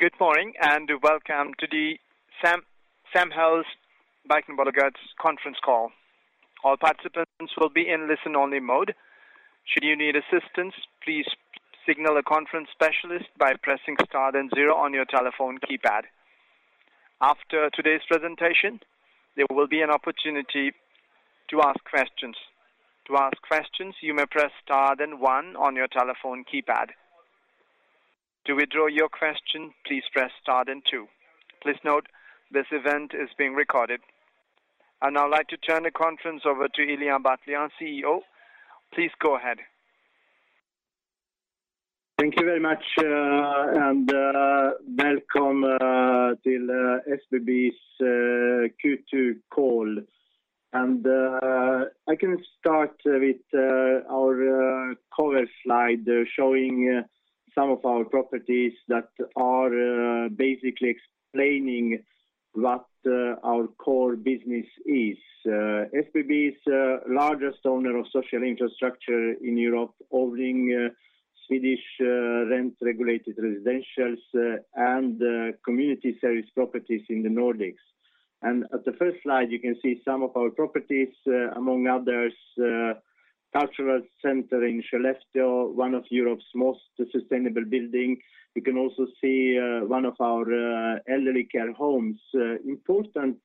Good morning and welcome to the Samhällsbyggnadsbolaget's conference call. All participants will be in listen-only mode. Should you need assistance, please signal a conference specialist by pressing star then zero on your telephone keypad. After today's presentation, there will be an opportunity to ask questions. To ask questions, you may press star then one on your telephone keypad. To withdraw your question, please press star then two. Please note, this event is being recorded. I'd now like to turn the conference over to Ilija Batljan, CEO. Please go ahead. Thank you very much, and welcome to SBB's Q2 call. I can start with our cover slide showing some of our properties that are basically explaining what our core business is. SBB is largest owner of social infrastructure in Europe, owning Swedish rent-regulated residentials and community service properties in the Nordics. At the first slide, you can see some of our properties, among others, cultural center in Skellefteå, one of Europe's most sustainable building. You can also see one of our elderly care homes. Important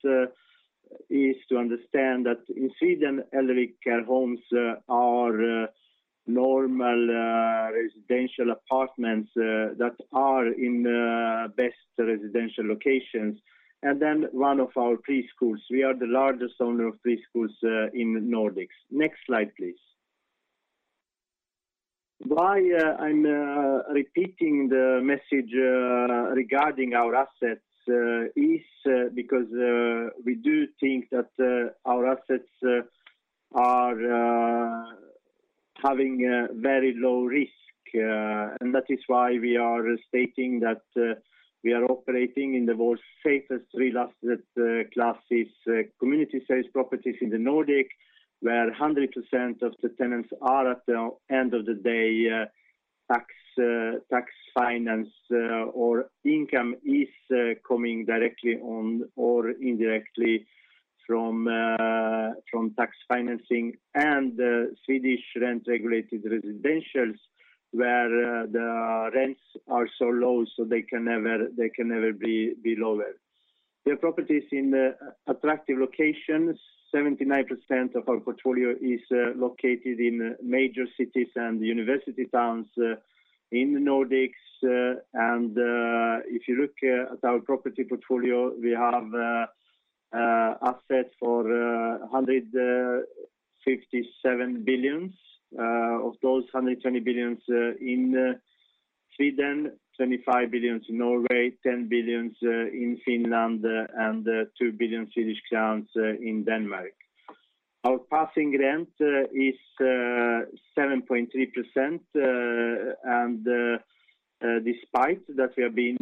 is to understand that in Sweden, elderly care homes are normal residential apartments that are in best residential locations. One of our preschools. We are the largest owner of preschools in Nordics. Next slide, please. Why I'm repeating the message regarding our assets is because we do think that our assets are having a very low risk. That is why we are stating that we are operating in the world's safest real estate classes, community service properties in the Nordics, where 100% of the tenants are at the end of the day tax-financed or income is coming directly or indirectly from tax financing and Swedish rent-regulated residentials, where the rents are so low, so they can never be lower. The properties in the attractive locations, 79% of our portfolio is located in major cities and university towns in the Nordics. If you look at our property portfolio, we have assets of 157 billion. Of those, 120 billion in Sweden, 25 billion in Norway, 10 billion in Finland, and 2 billion Swedish crowns in Denmark. Our passing rent is 7.3%. Despite that we have been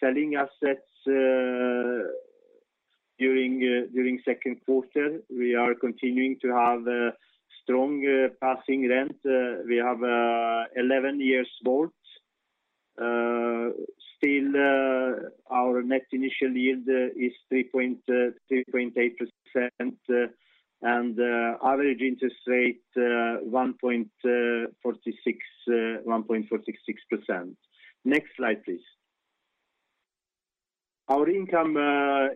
selling assets during second quarter, we are continuing to have a strong passing rent. We have 11-year WAULT. Still, our net initial yield is 3.8%. Average interest rate 1.46%. Next slide, please. Our income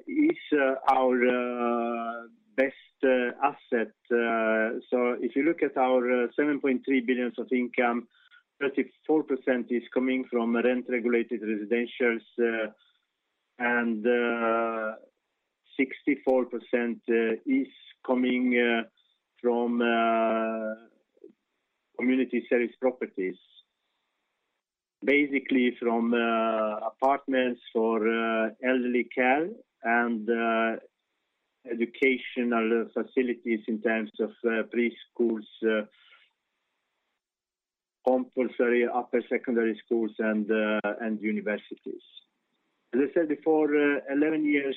is our best asset. If you look at our 7.3 billion of income, 34% is coming from rent-regulated residentials, and 64% is coming from community service properties. Basically from apartments for elderly care and educational facilities in terms of preschools, compulsory upper secondary schools and universities. As I said before, 11 years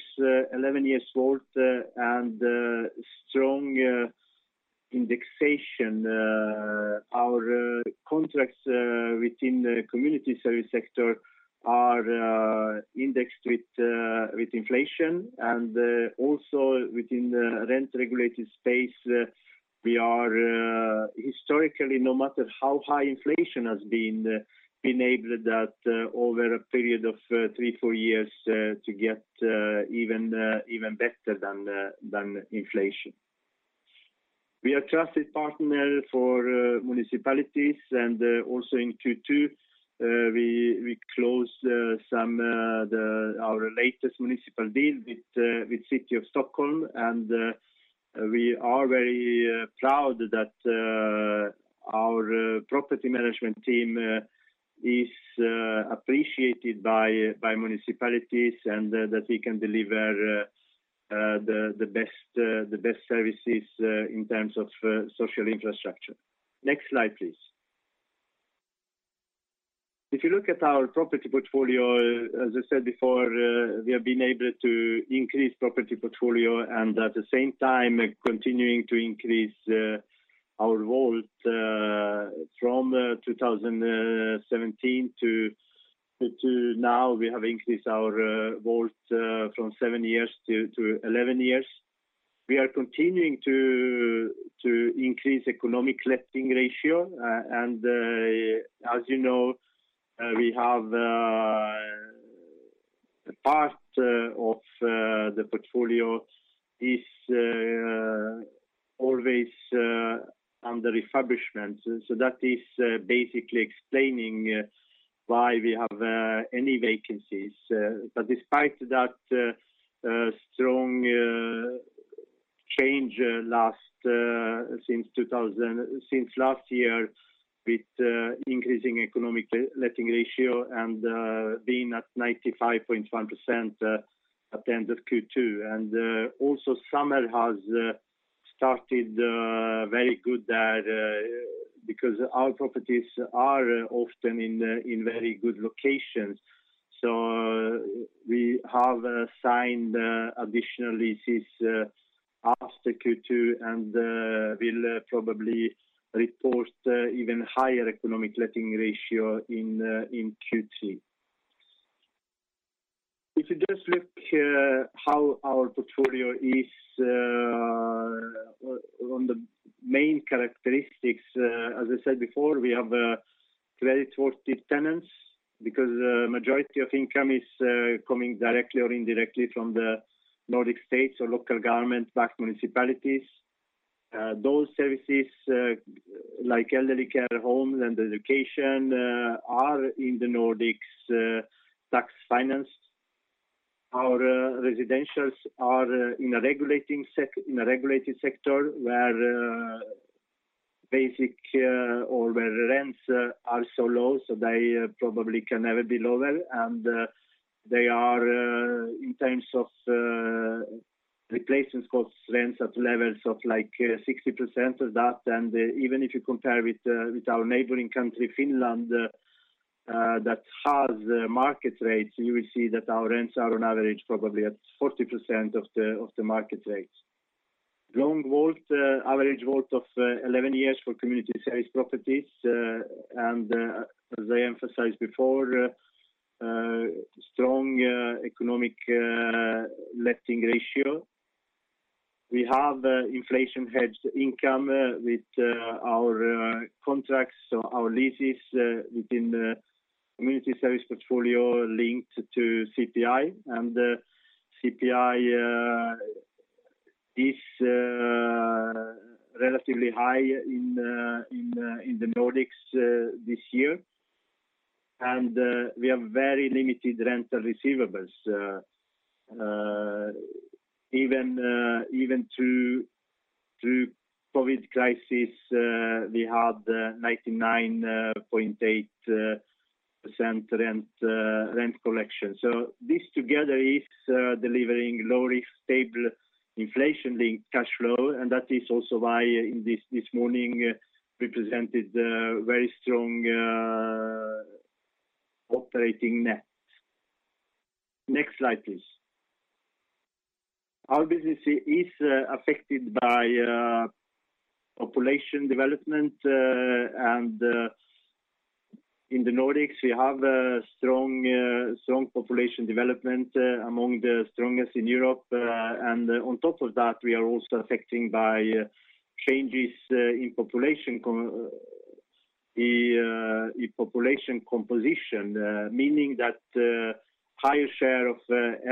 WAULT and strong indexation. Our contracts within the community service sector are indexed with inflation, and also within the rent-regulated space, we are historically, no matter how high inflation has been, enabled that over a period of three to four years to get even better than inflation. We are trusted partner for municipalities and also in Q2 we closed our latest municipal deal with City of Stockholm. We are very proud that our property management team is appreciated by municipalities and that we can deliver the best services in terms of social infrastructure. Next slide, please. If you look at our property portfolio, as I said before, we have been able to increase property portfolio and at the same time continuing to increase our WAULT from 2017 to now, we have increased our WAULT from seven years to 11 years. We are continuing to increase economic letting ratio, and as you know, we have part of the portfolio is always under refurbishment. So that is basically explaining why we have any vacancies. But despite that, strong change since last year with increasing economic letting ratio and being at 95.1% at the end of Q2. Also summer has started very good because our properties are often in very good locations. We have signed additional leases after Q2 and we'll probably report even higher economic letting ratio in Q3. If you just look how our portfolio is on the main characteristics, as I said before, we have creditworthy tenants because a majority of income is coming directly or indirectly from the Nordic states or local government-backed municipalities. Those services like elderly care homes and education are in the Nordics tax financed. Our residentials are in a regulated sector where rents are so low, so they probably can never be lower. They are in terms of replacement cost rents at levels of like 60% of that. Even if you compare with our neighboring country, Finland, that has market rates, you will see that our rents are on average probably at 40% of the market rates. Long WAULT, average WAULT of 11 years for community service properties. As I emphasized before, strong economic letting ratio. We have inflation-hedged income with our contracts or our leases within the community service portfolio linked to CPI. CPI is relatively high in the Nordics this year. We have very limited rental receivables. Even through COVID crisis, we had 99.8% rent collection. So this together is delivering low-risk, stable inflation-linked cash flow. That is also why this morning we presented very strong operating net. Next slide, please. Our business is affected by population development. In the Nordics, we have a strong population development among the strongest in Europe. On top of that, we are also affected by changes in population composition. Meaning that higher share of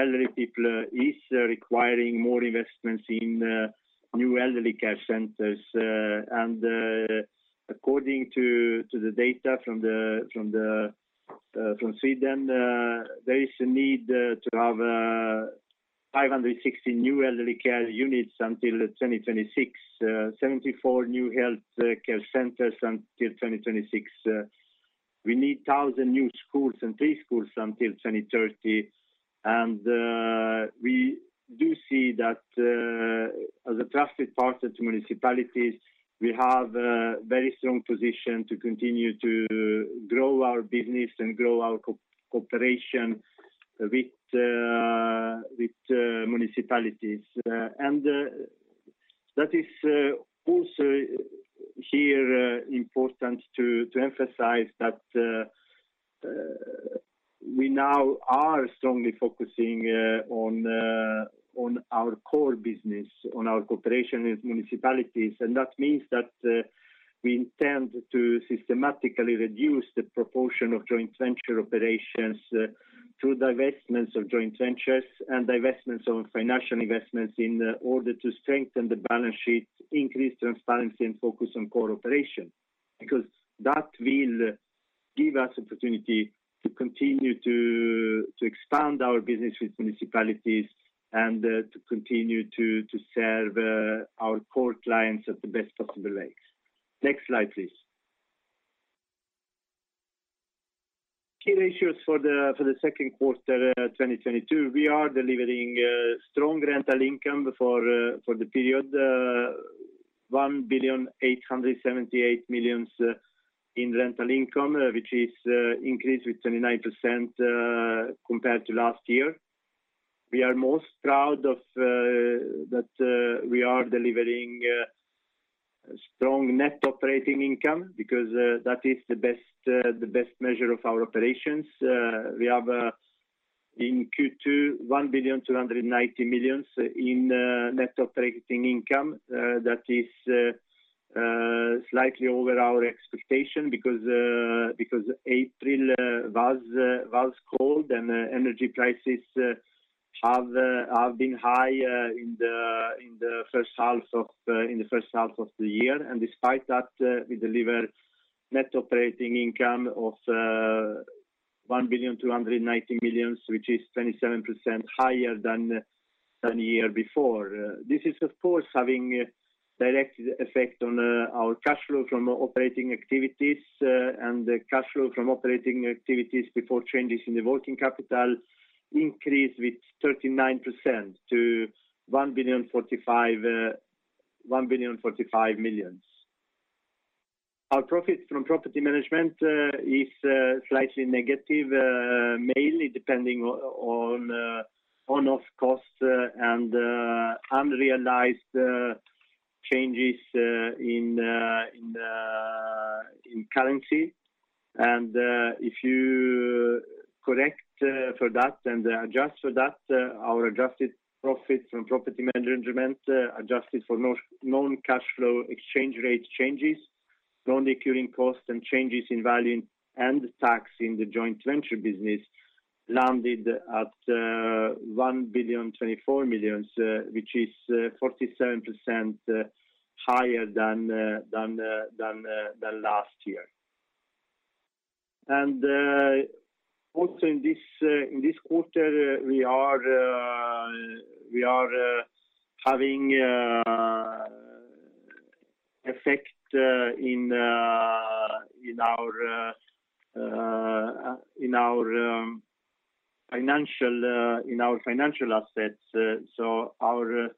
elderly people is requiring more investments in new elderly care centers. According to the data from Sweden, there is a need to have 560 new elderly care units until 2026, 74 new health care centers until 2026. We need 1,000 new schools and preschools until 2030. We do see that as a trusted partner to municipalities, we have a very strong position to continue to grow our business and grow our cooperation with municipalities. That is also here important to emphasize that we now are strongly focusing on our core business, on our cooperation with municipalities. That means that we intend to systematically reduce the proportion of joint venture operations through divestments of joint ventures and divestments of financial investments in order to strengthen the balance sheet, increase transparency, and focus on cooperation. Because that will give us opportunity to continue to expand our business with municipalities and to continue to serve our core clients at the best possible way. Next slide, please. Key ratios for the second quarter 2022. We are delivering strong rental income for the period. 1.878 billion in rental income, which is increased with 29% compared to last year. We are most proud of that we are delivering strong net operating income because that is the best measure of our operations. We have in Q2 1.290 billion in net operating income. That is slightly over our expectation because April was cold and energy prices have been high in the first half of the year. Despite that, we delivered net operating income of 1.290 billion, which is 27% higher than a year before. This is of course having a direct effect on our cash flow from operating activities, and the cash flow from operating activities before changes in the working capital increased with 39% to 1.045 billion. Our profit from property management is slightly negative, mainly depending on one-off costs and unrealized changes in currency. If you correct for that and adjust for that, our adjusted profits from property management, adjusted for non-cash flow exchange rate changes, non-recurring costs and changes in value and tax in the joint venture business landed at 1.024 billion, which is 47% higher than last year. Also in this quarter we are having effect in our financial assets. Our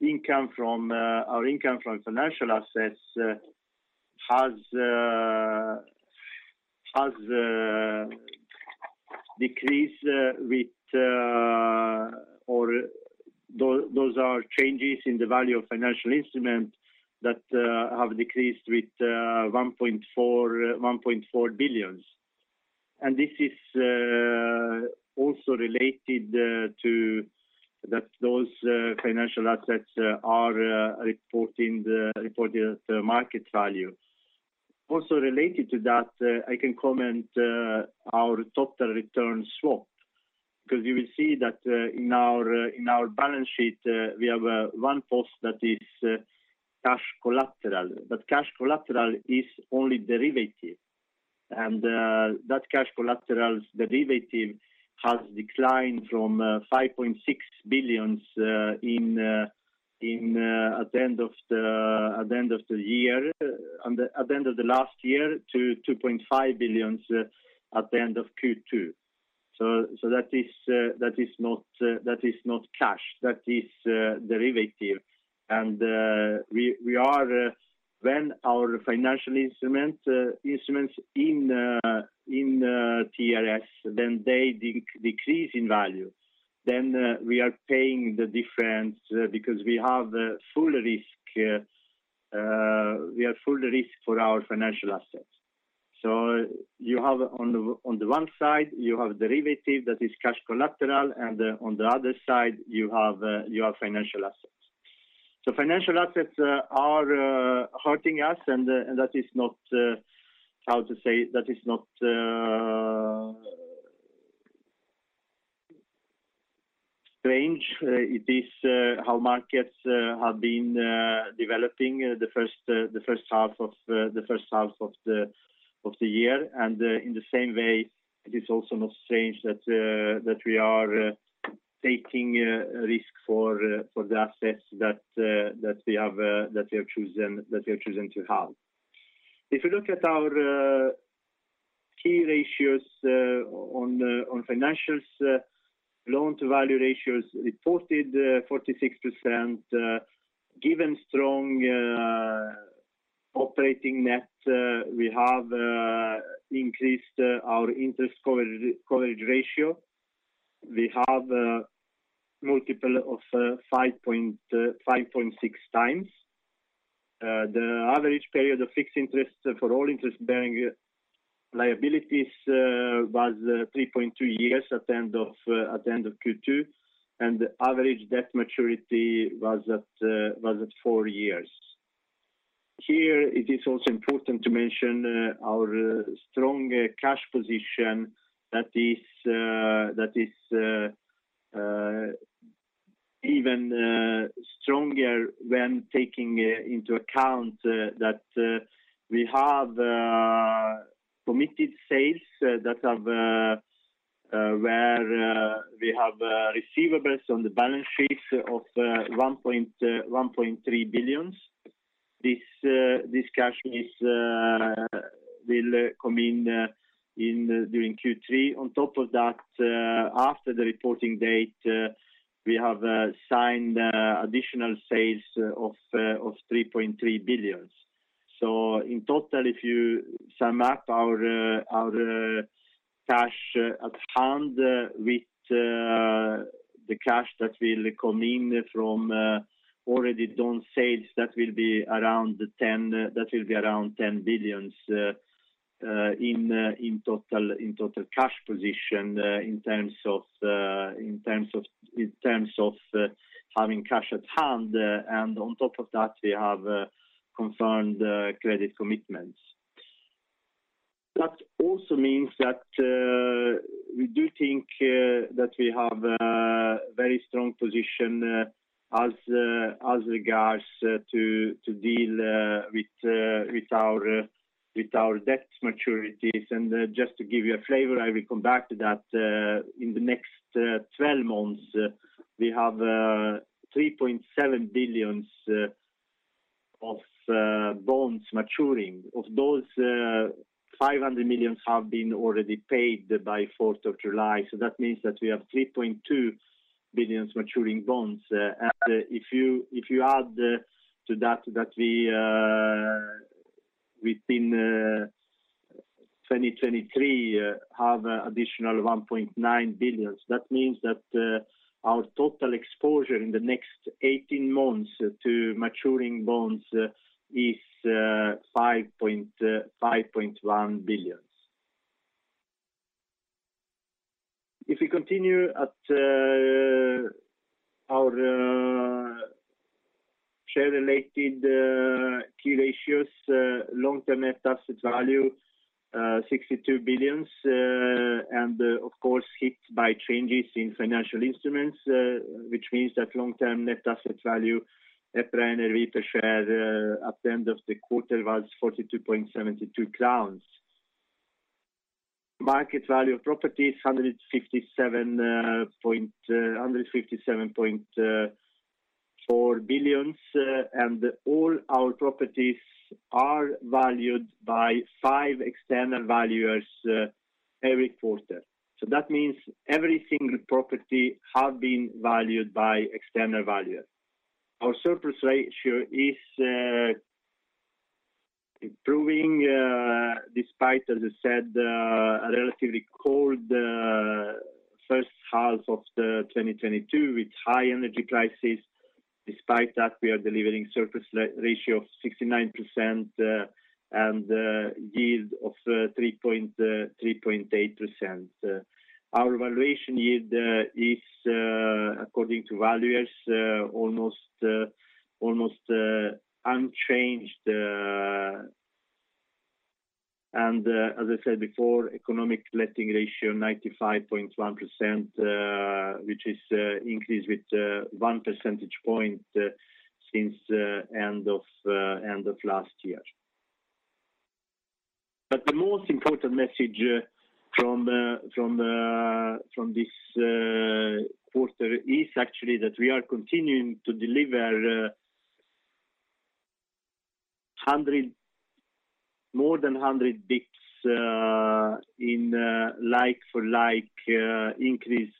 income from financial assets has decreased with or those are changes in the value of financial instruments that have decreased with 1.4 billion. This is also related to that those financial assets are reported at the market value. Related to that I can comment our total return swap because you will see that in our balance sheet we have one post that is cash collateral but cash collateral is only derivative. That cash collateral derivative has declined from 5.6 billion at the end of last year to 2.5 billion at the end of Q2. That is not cash. That is derivative. When our financial instruments in TRS decrease in value, we are paying the difference because we have full risk for our financial assets. You have on the one side derivative that is cash collateral, and on the other side you have financial assets. Financial assets are hurting us and that is not strange. It is how markets have been developing the first half of the year. In the same way, it is also not strange that we are taking a risk for the assets that we have chosen to have. If you look at our key ratios on financials, loan-to-value ratios reported 46%. Given strong operating net, we have increased our interest coverage ratio. We have a multiple of 5.6x. The average period of fixed interest for all interest-bearing liabilities was 3.2 years at the end of Q2, and the average debt maturity was at four years. Here it is also important to mention our strong cash position that is even stronger when taking into account that we have committed sales where we have receivables on the balance sheets of 1.3 billion. This cash will come in during Q3. On top of that, after the reporting date, we have signed additional sales of 3.3 billion. In total, if you sum up our cash at hand with the cash that will come in from already done sales, that will be around 10 billion. In total cash position in terms of having cash at hand. On top of that, we have confirmed credit commitments. That also means that we do think that we have a very strong position as regards to deal with our debt maturities. Just to give you a flavor, I will come back to that in the next 12 months we have 3.7 billion of bonds maturing. Of those, 500 million have been already paid by fourth of July. That means that we have 3.2 billion maturing bonds. If you add to that that we within 2023 have additional 1.9 billion, that means that our total exposure in the next 18 months to maturing bonds is 5.1 billion. If we continue at our share-related key ratios, long-term net asset value 62 billion and of course hit by changes in financial instruments, which means that long-term net asset value per ordinary share at the end of the quarter was 42.72 crowns. Market value of property is 157.4 billion. All our properties are valued by five external valuers every quarter. That means every single property have been valued by external valuer. Our surplus ratio is improving despite, as I said, a relatively cold first half of 2022 with high energy crisis. Despite that, we are delivering surplus ratio of 69%, and yield of 3.8%. Our valuation yield is according to valuers almost unchanged. As I said before, economic letting ratio 95.1%, which is increased with 1 percentage point since end of last year. The most important message from this quarter is actually that we are continuing to deliver more than 100 basis points in like-for-like increase,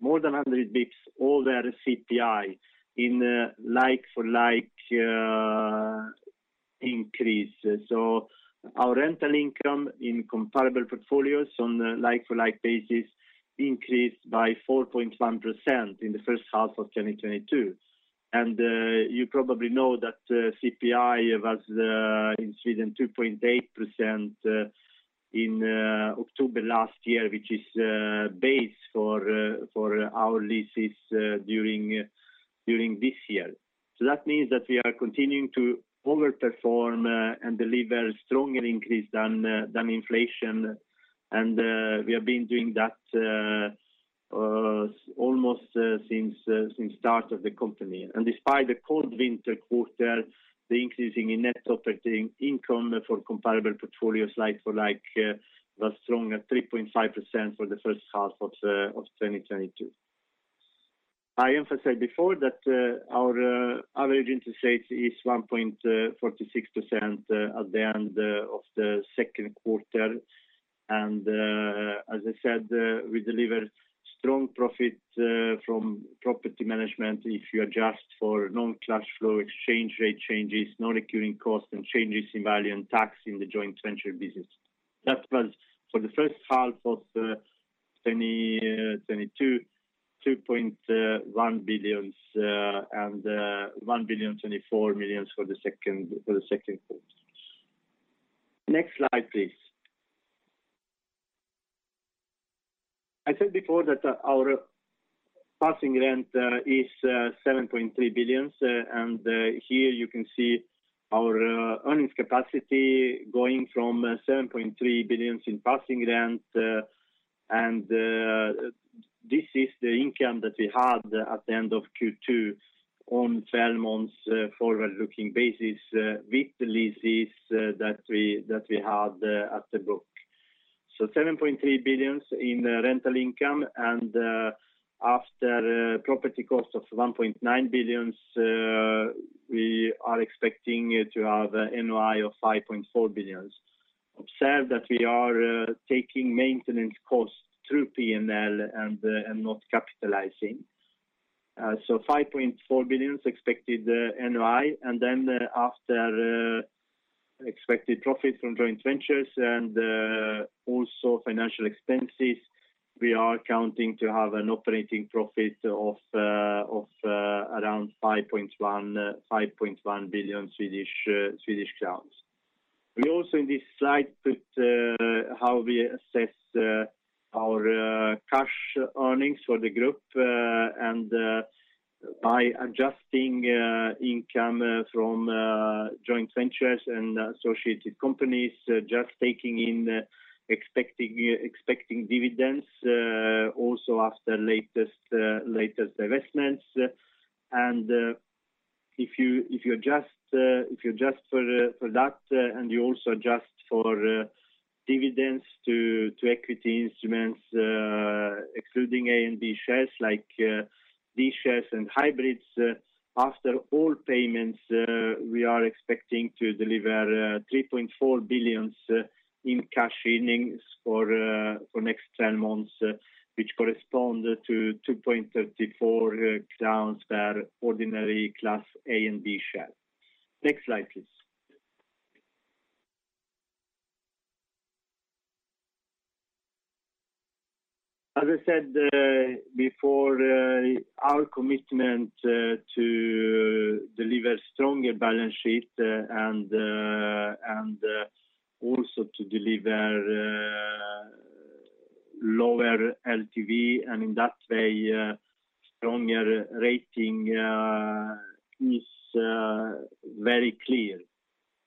more than 100 basis points over CPI in like-for-like increase. Our rental income in comparable portfolios on a like-for-like basis increased by 4.1% in the first half of 2022. You probably know that CPI was in Sweden 2.8% in October last year, which is basis for our leases during this year. That means that we are continuing to over-perform and deliver stronger increase than inflation. We have been doing that almost since start of the company. Despite the cold winter quarter, the increase in net operating income for comparable portfolios like-for-like was strong at 3.5% for the first half of 2022. I emphasized before that our average interest rate is 1.46% at the end of the second quarter. As I said, we delivered strong profit from property management if you adjust for non-cash, foreign exchange rate changes, non-recurring costs, and changes in value and tax in the joint venture business. That was for the first half of 2022, 2.1 billion, and 1.024 billion for the second quarter. Next slide, please. I said before that our passing rent is 7.3 billion. Here you can see our earnings capacity going from 7.3 billion in passing rent. This is the income that we had at the end of Q2 on a 12-month forward-looking basis with the leases that we had at the book. 7.3 billion in rental income. After property cost of 1.9 billion, we are expecting it to have a NOI of 5.4 billion. Observe that we are taking maintenance costs through P&L and not capitalizing. 5.4 billion expected NOI. Then after expected profit from joint ventures and also financial expenses, we are counting to have an operating profit of around 5.1 billion Swedish crowns. We also in this slide put how we assess our cash earnings for the group. By adjusting income from joint ventures and associated companies, just taking expected dividends, also after latest divestments. If you adjust for that and you also adjust for dividends to equity instruments, excluding A and B shares like D shares and hybrids, after all payments, we are expecting to deliver 3.4 billion in cash earnings for next 10 months, which correspond to 2.34 crowns per ordinary class A and B share. Next slide, please. As I said before, our commitment to deliver stronger balance sheet and also to deliver lower LTV and in that way stronger rating is very clear.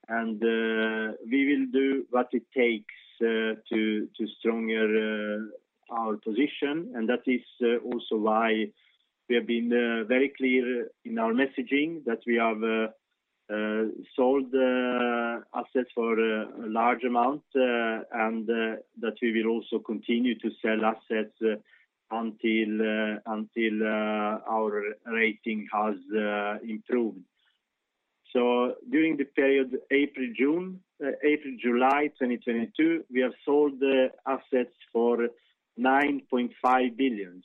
We will do what it takes to strengthen our position. That is also why we have been very clear in our messaging that we have sold assets for a large amount and that we will also continue to sell assets until our rating has improved. During the period April to July 2022, we have sold assets for 9.5 billion.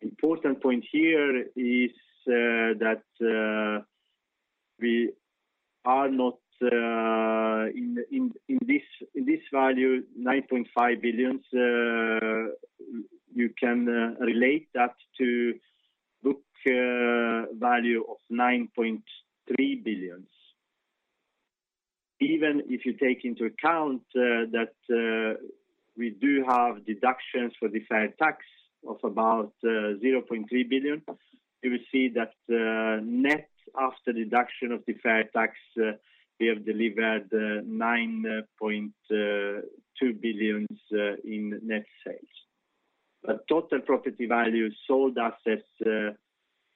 Important point here is that we are not in this value 9.5 billion. You can relate that to book value of 9.3 billion. Even if you take into account that we do have deductions for deferred tax of about 0.3 billion, you will see that net after deduction of deferred tax, we have delivered 9.2 billion in net sales. Total property value sold assets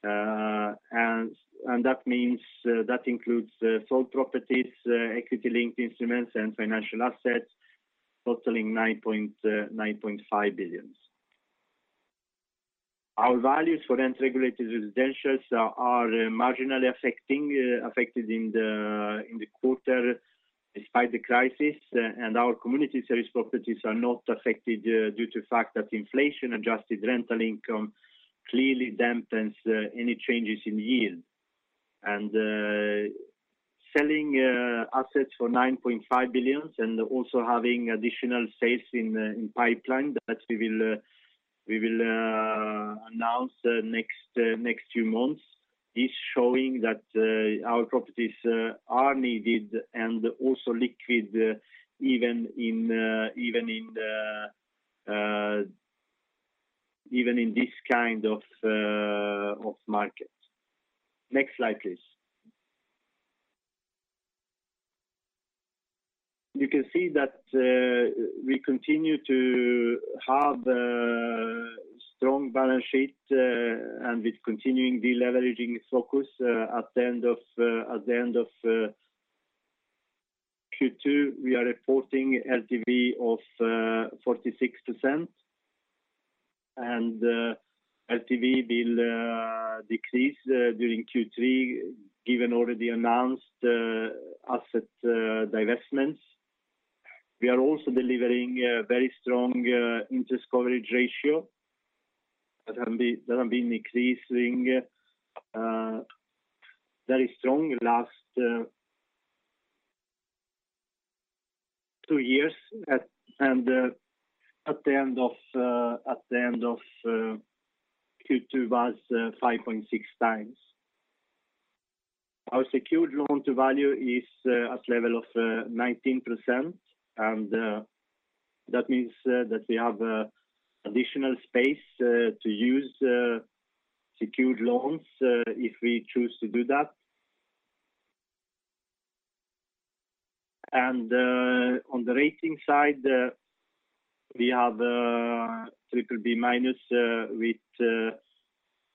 and that means that includes sold properties, equity-linked instruments, and financial assets totaling 9.5 billion. Our values for rent-regulated residentials are marginally affected in the quarter despite the crisis. Our community service properties are not affected due to the fact that inflation-adjusted rental income clearly dampens any changes in yield. Selling assets for 9.5 billion and also having additional sales in pipeline that we will announce next few months is showing that our properties are needed and also liquid even in this kind of market. Next slide, please. You can see that we continue to have a strong balance sheet and with continuing deleveraging focus at the end of Q2, we are reporting LTV of 46%. LTV will decrease during Q3 given already announced asset divestments. We are also delivering a very strong interest coverage ratio that have been increasing very strong last two years and at the end of Q2 was 5.6x. Our secured loan to value is at level of 19%. That means that we have additional space to use secured loans if we choose to do that. On the rating side, we have BBB-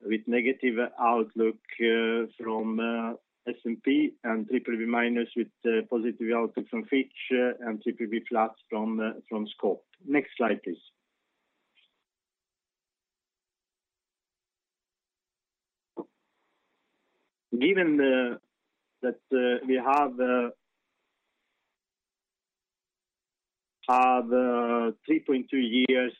with negative outlook from S&P and BBB- with positive outlook from Fitch and BBB from Scope. Next slide, please. Given that we have 3.2 years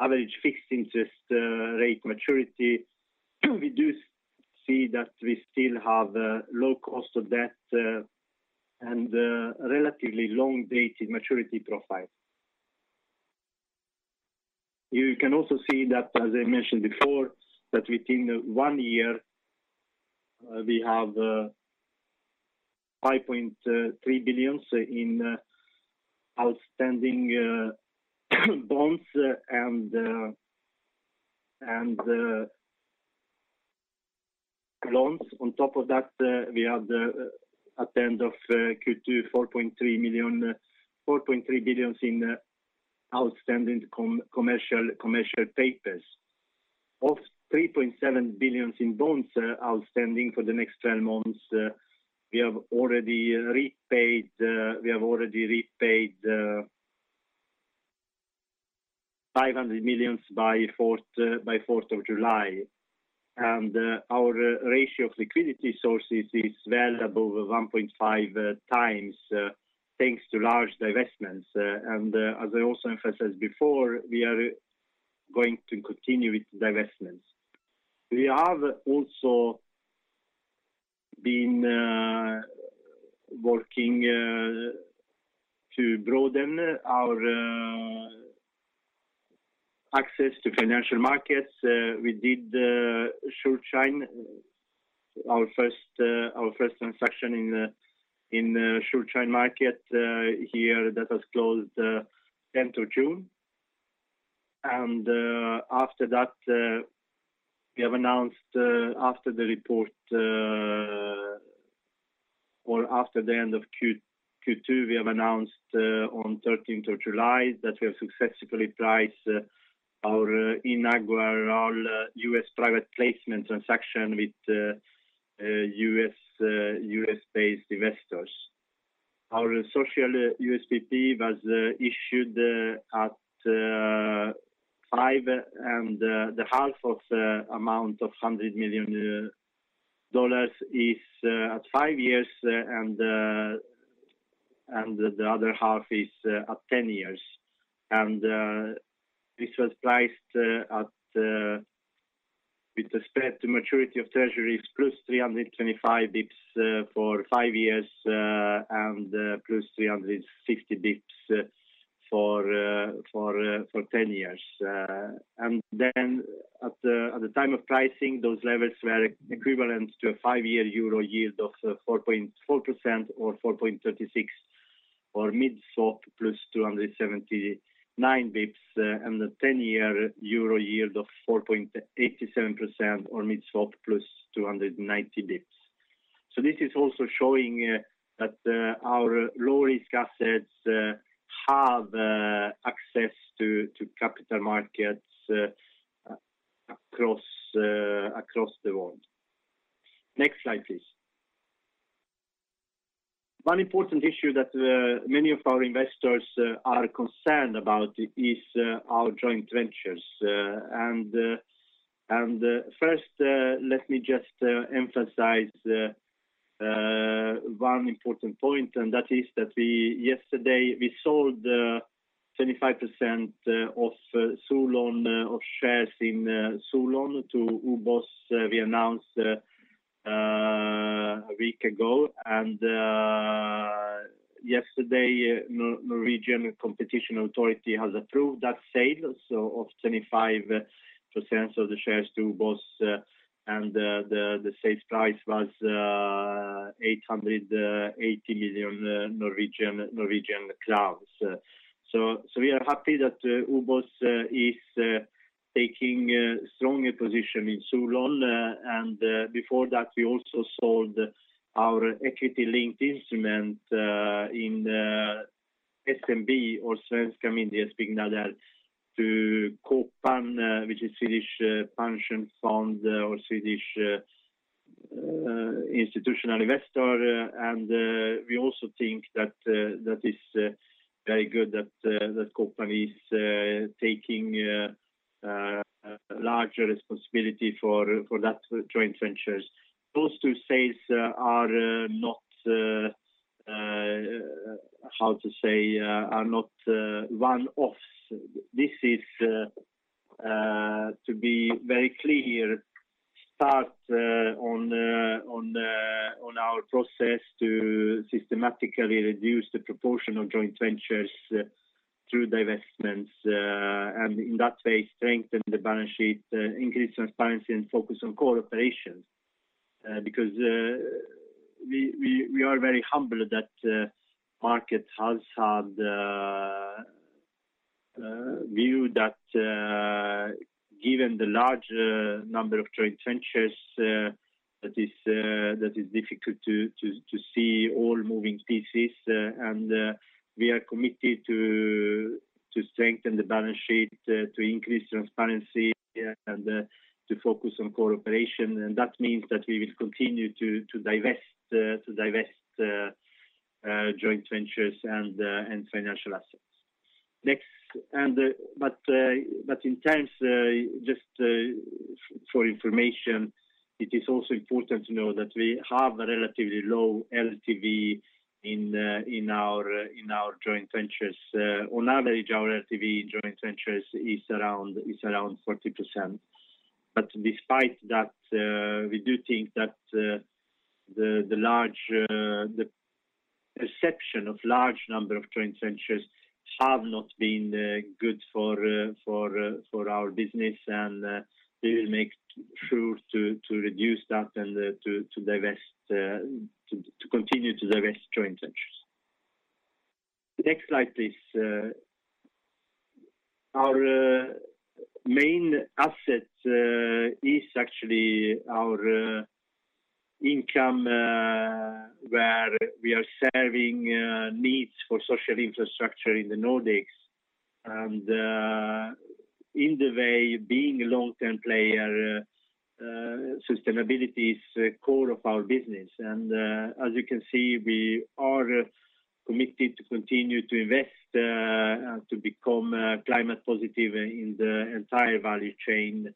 average fixed interest rate maturity. We do see that we still have a low cost of debt, and a relatively long dated maturity profile. You can also see that, as I mentioned before, that within one year, we have 5.3 billion in outstanding bonds and loans. On top of that, at the end of Q2, 4.3 billion in outstanding commercial papers. Of 3.7 billion in bonds outstanding for the next 12 months, we have already repaid 500 million by 4th of July. Our ratio of liquidity sources is well above 1.5x, thanks to large divestments. As I also emphasized before, we are going to continue with divestments. We have also been working to broaden our access to financial markets. We did the Schuldschein, our first transaction in the Schuldschein market here that has closed 10th of June. After that, we have announced after the report or after the end of Q2 on 13th of July that we have successfully priced our inaugural U.S. private placement transaction with U.S.-based investors. Our social USPP was issued at $100 million, half at five years, and the other half at 10 years. This was priced at, with respect to maturity of Treasuries plus 325 basis points for five years, and plus 360 basis points for 10 years. At the time of pricing, those levels were equivalent to a five-year euro yield of 4.4% or 4.36, or mid-swap plus 279 basis points, and the 10-year euro yield of 4.87% or mid-swap plus 290 basis points. This is also showing that our low risk assets have access to capital markets across the world. Next slide, please. One important issue that many of our investors are concerned about is our joint ventures. First, let me just emphasize one important point, and that is that yesterday we sold 25% of shares in Solon to OBOS. We announced a week ago, and yesterday Norwegian Competition Authority has approved that sale of 25% of the shares to OBOS, and the sale price was NOK 880 million. We are happy that OBOS is taking a strong position in Solon. Before that, we also sold our equity-linked instrument in SMB or Svenska Myndighetsbyggnader to Kåpan, which is Swedish pension fund or Swedish institutional investor. We also think that that is very good that Kåpan is taking a larger responsibility for that joint ventures. Those two sales are not one-offs. This is, to be very clear, starting on our process to systematically reduce the proportion of joint ventures through divestments, and in that way, strengthen the balance sheet, increase transparency and focus on core operations. Because we are very humbled that market has had the view that, given the large number of joint ventures, that is difficult to see all moving pieces. We are committed to strengthen the balance sheet, to increase transparency and to focus on core operation. That means that we will continue to divest joint ventures and financial assets. Next. In terms, just, for information, it is also important to know that we have a relatively low LTV in our joint ventures. On average, our LTV joint ventures is around 40%. Despite that, we do think that the perception of large number of joint ventures have not been good for our business. We will make sure to reduce that and to continue to divest joint ventures. Next slide, please. Our main asset is actually our income where we are serving needs for social infrastructure in the Nordics. In a way being a long-term player, sustainability is core of our business. As you can see, we are committed to continue to invest to become climate positive in the entire value chain.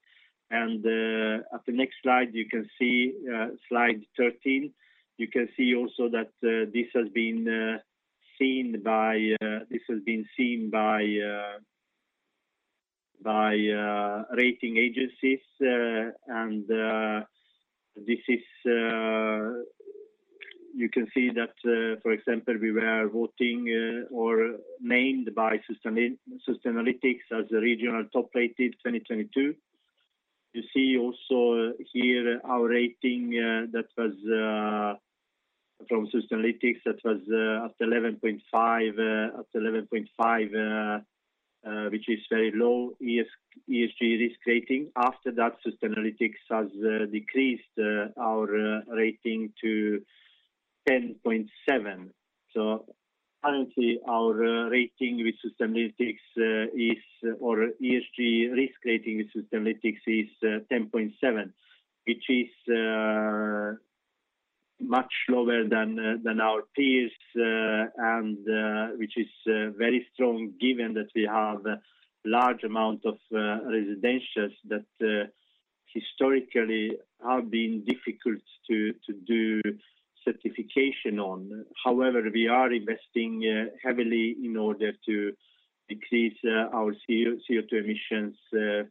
At the next slide, you can see slide 13, you can see also that this has been seen by rating agencies. You can see that, for example, we were named by Sustainalytics as the regional top-rated 2022. You see also here our rating that was from Sustainalytics, that was at 11.5 which is very low ESG risk rating. After that, Sustainalytics has decreased our rating to 10.7. Currently our ESG risk rating with Sustainalytics is 10.7, which is much lower than our peers, and which is very strong given that we have large amount of residentials that historically have been difficult to do certification on. However, we are investing heavily in order to decrease our CO2 emissions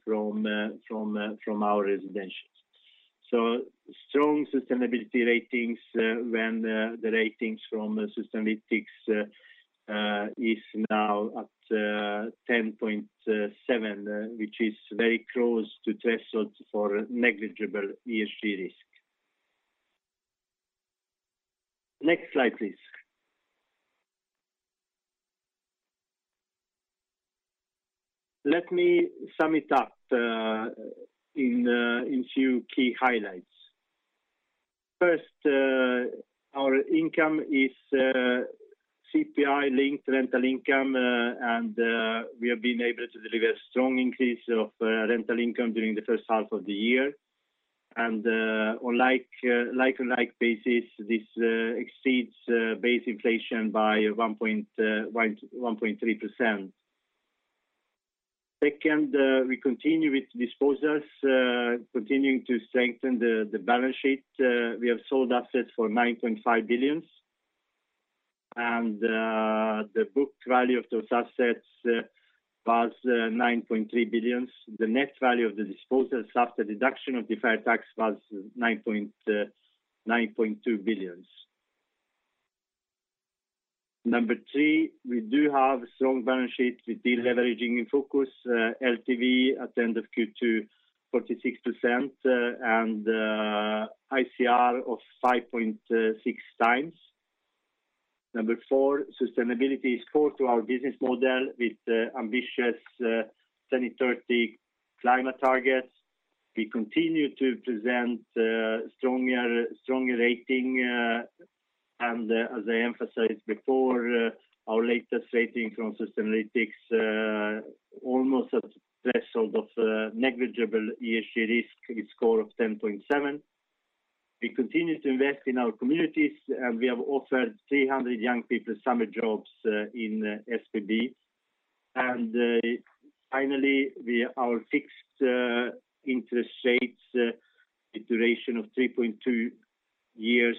from our residentials. Strong sustainability ratings when the ratings from Sustainalytics is now at 10.7, which is very close to threshold for negligible ESG risk. Next slide, please. Let me sum it up in few key highlights. First, our income is CPI-linked rental income, and we have been able to deliver strong increase of rental income during the first half of the year. On like-for-like basis, this exceeds base inflation by 1.3%. Second, we continue with disposals, continuing to strengthen the balance sheet. We have sold assets for 9.5 billion. The book value of those assets was 9.3 billion. The net value of the disposals after deduction of deferred tax was 9.2 billion. Number three, we do have strong balance sheet with deleveraging in focus, LTV at the end of Q2 46%, and ICR of 5.6x. Number four, sustainability is core to our business model with ambitious 2030 climate targets. We continue to present stronger rating and as I emphasized before, our latest rating from Sustainalytics almost at threshold of negligible ESG risk score of 10.7. We continue to invest in our communities, and we have offered 300 young people summer jobs in SBB. Finally, our fixed interest rates with duration of 3.2 years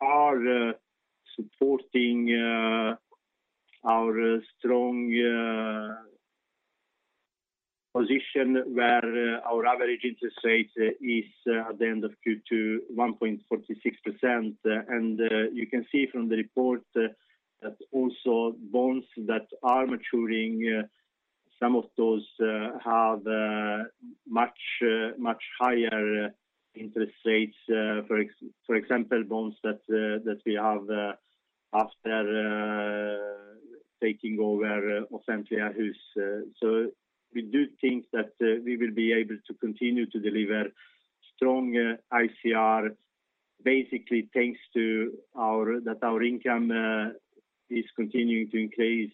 are supporting our strong position where our average interest rate is at the end of Q2, 1.46%. You can see from the report that also bonds that are maturing, some of those, have much higher interest rates, for example, bonds that we have after taking over Offentliga Hus. We do think that we will be able to continue to deliver strong ICR basically, thanks to our that our income is continuing to increase,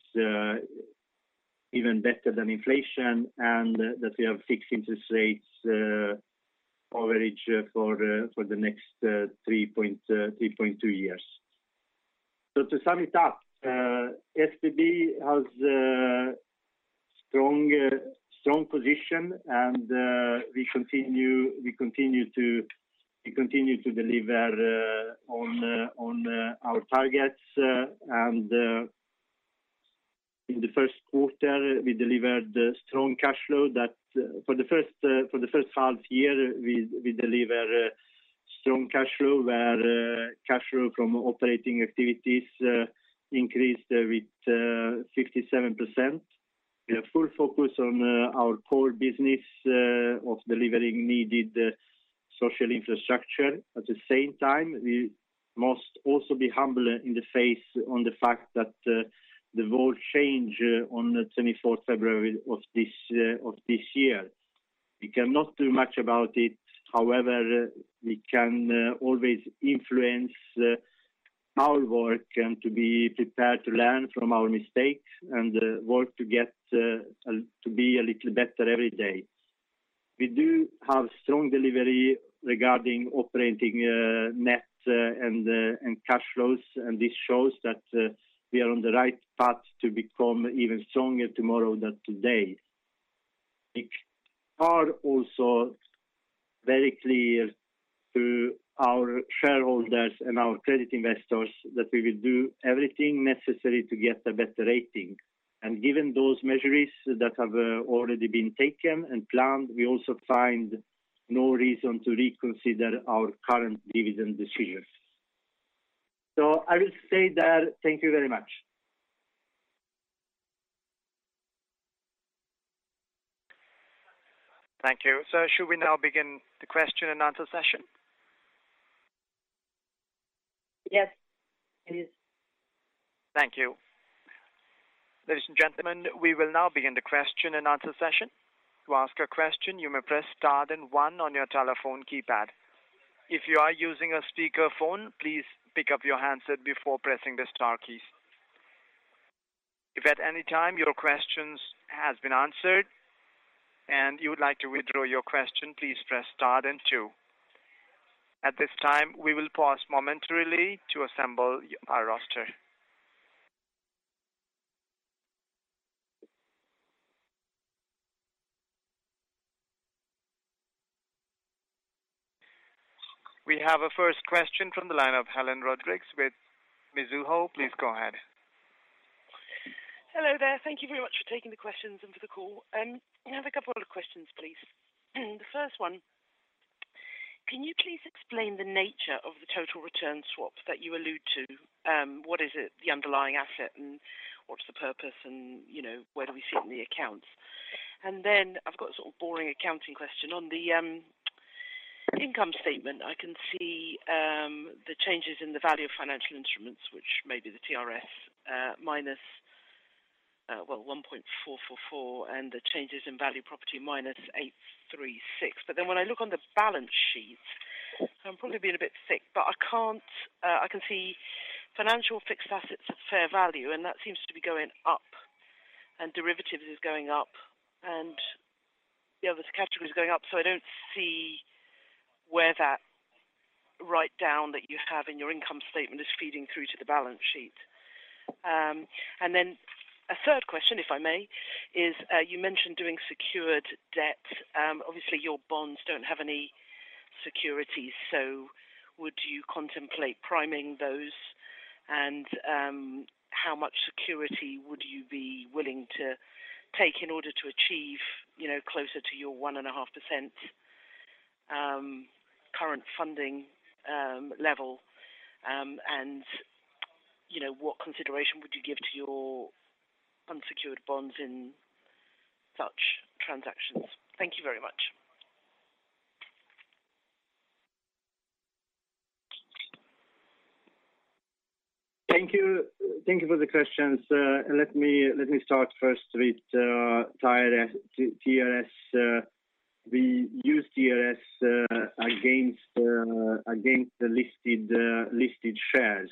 even better than inflation and that we have fixed interest rates, average for the next 3.2 years. To sum it up, SBB has a strong position and we continue to deliver on our targets. In the first quarter, we delivered a strong cash flow that for the first half year we deliver strong cash flow, where cash flow from operating activities increased with 67%. We have full focus on our core business of delivering needed social infrastructure. At the same time, we must also be humble in the face of the fact that the world changed on the 24th February of this year. We cannot do much about it. However, we can always influence our work and to be prepared to learn from our mistakes and work to get to be a little better every day. We do have strong delivery regarding operating net and cash flows, and this shows that we are on the right path to become even stronger tomorrow than today. It is also very clear to our shareholders and our credit investors that we will do everything necessary to get a better rating. Given those measures that have already been taken and planned, we also find no reason to reconsider our current dividend decisions. I will say that. Thank you very much. Thank you. Ladies and gentlemen, we will now begin the question-and-answer session. To ask a question, you may press star then one on your telephone keypad. If you are using a speakerphone, please pick up your handset before pressing the star keys. If at any time your question has been answered and you would like to withdraw your question, please press star then two. At this time, we will pause momentarily to assemble our roster. We have a first question from the line of Helen Rodrigues with Mizuho. Please go ahead. Hello there. Thank you very much for taking the questions and for the call. I have a couple of questions, please. The first one, can you please explain the nature of the total return swaps that you allude to? What is it, the underlying asset, and what's the purpose and, you know, where do we see it in the accounts? And then I've got a sort of boring accounting question. On the income statement, I can see the changes in the value of financial instruments, which may be the TRS, minus, well, -1.444, and the changes in value property -836. But then when I look on the balance sheet, I'm probably being a bit thick, but I can't. I can see financial fixed assets at fair value, and that seems to be going up and derivatives is going up and the other categories are going up. I don't see where that write down that you have in your income statement is feeding through to the balance sheet. A third question, if I may, is you mentioned doing secured debt. Obviously your bonds don't have any securities, so would you contemplate priming those? How much security would you be willing to take in order to achieve, you know, closer to your 1.5% current funding level? You know, what consideration would you give to your unsecured bonds in such transactions? Thank you very much. Thank you. Thank you for the questions. Let me start first with TRS. We use TRS against the listed shares.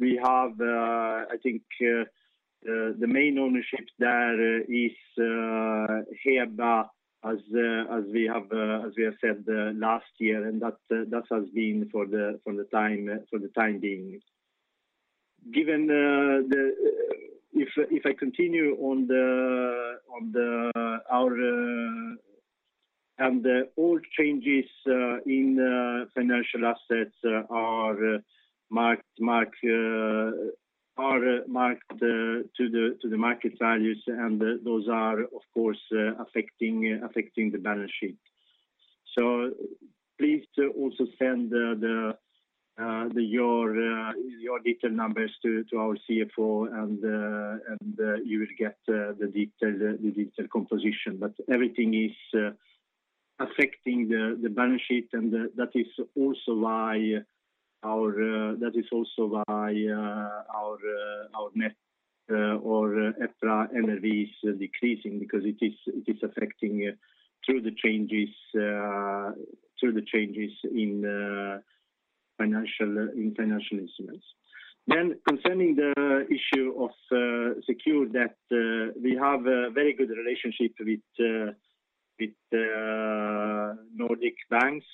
We have, I think, the main ownership there is here as we have said last year, and that has been for the time being. All changes in financial assets are marked to the market values, and those are of course affecting the balance sheet. Please also send your detailed numbers to our CFO, and you will get the detailed composition. Everything is affecting the balance sheet, and that is also why our net or EPRA NRVs is decreasing because it is affecting through the changes in financial instruments. Concerning the issue of secured debt, we have a very good relationship with Nordic banks.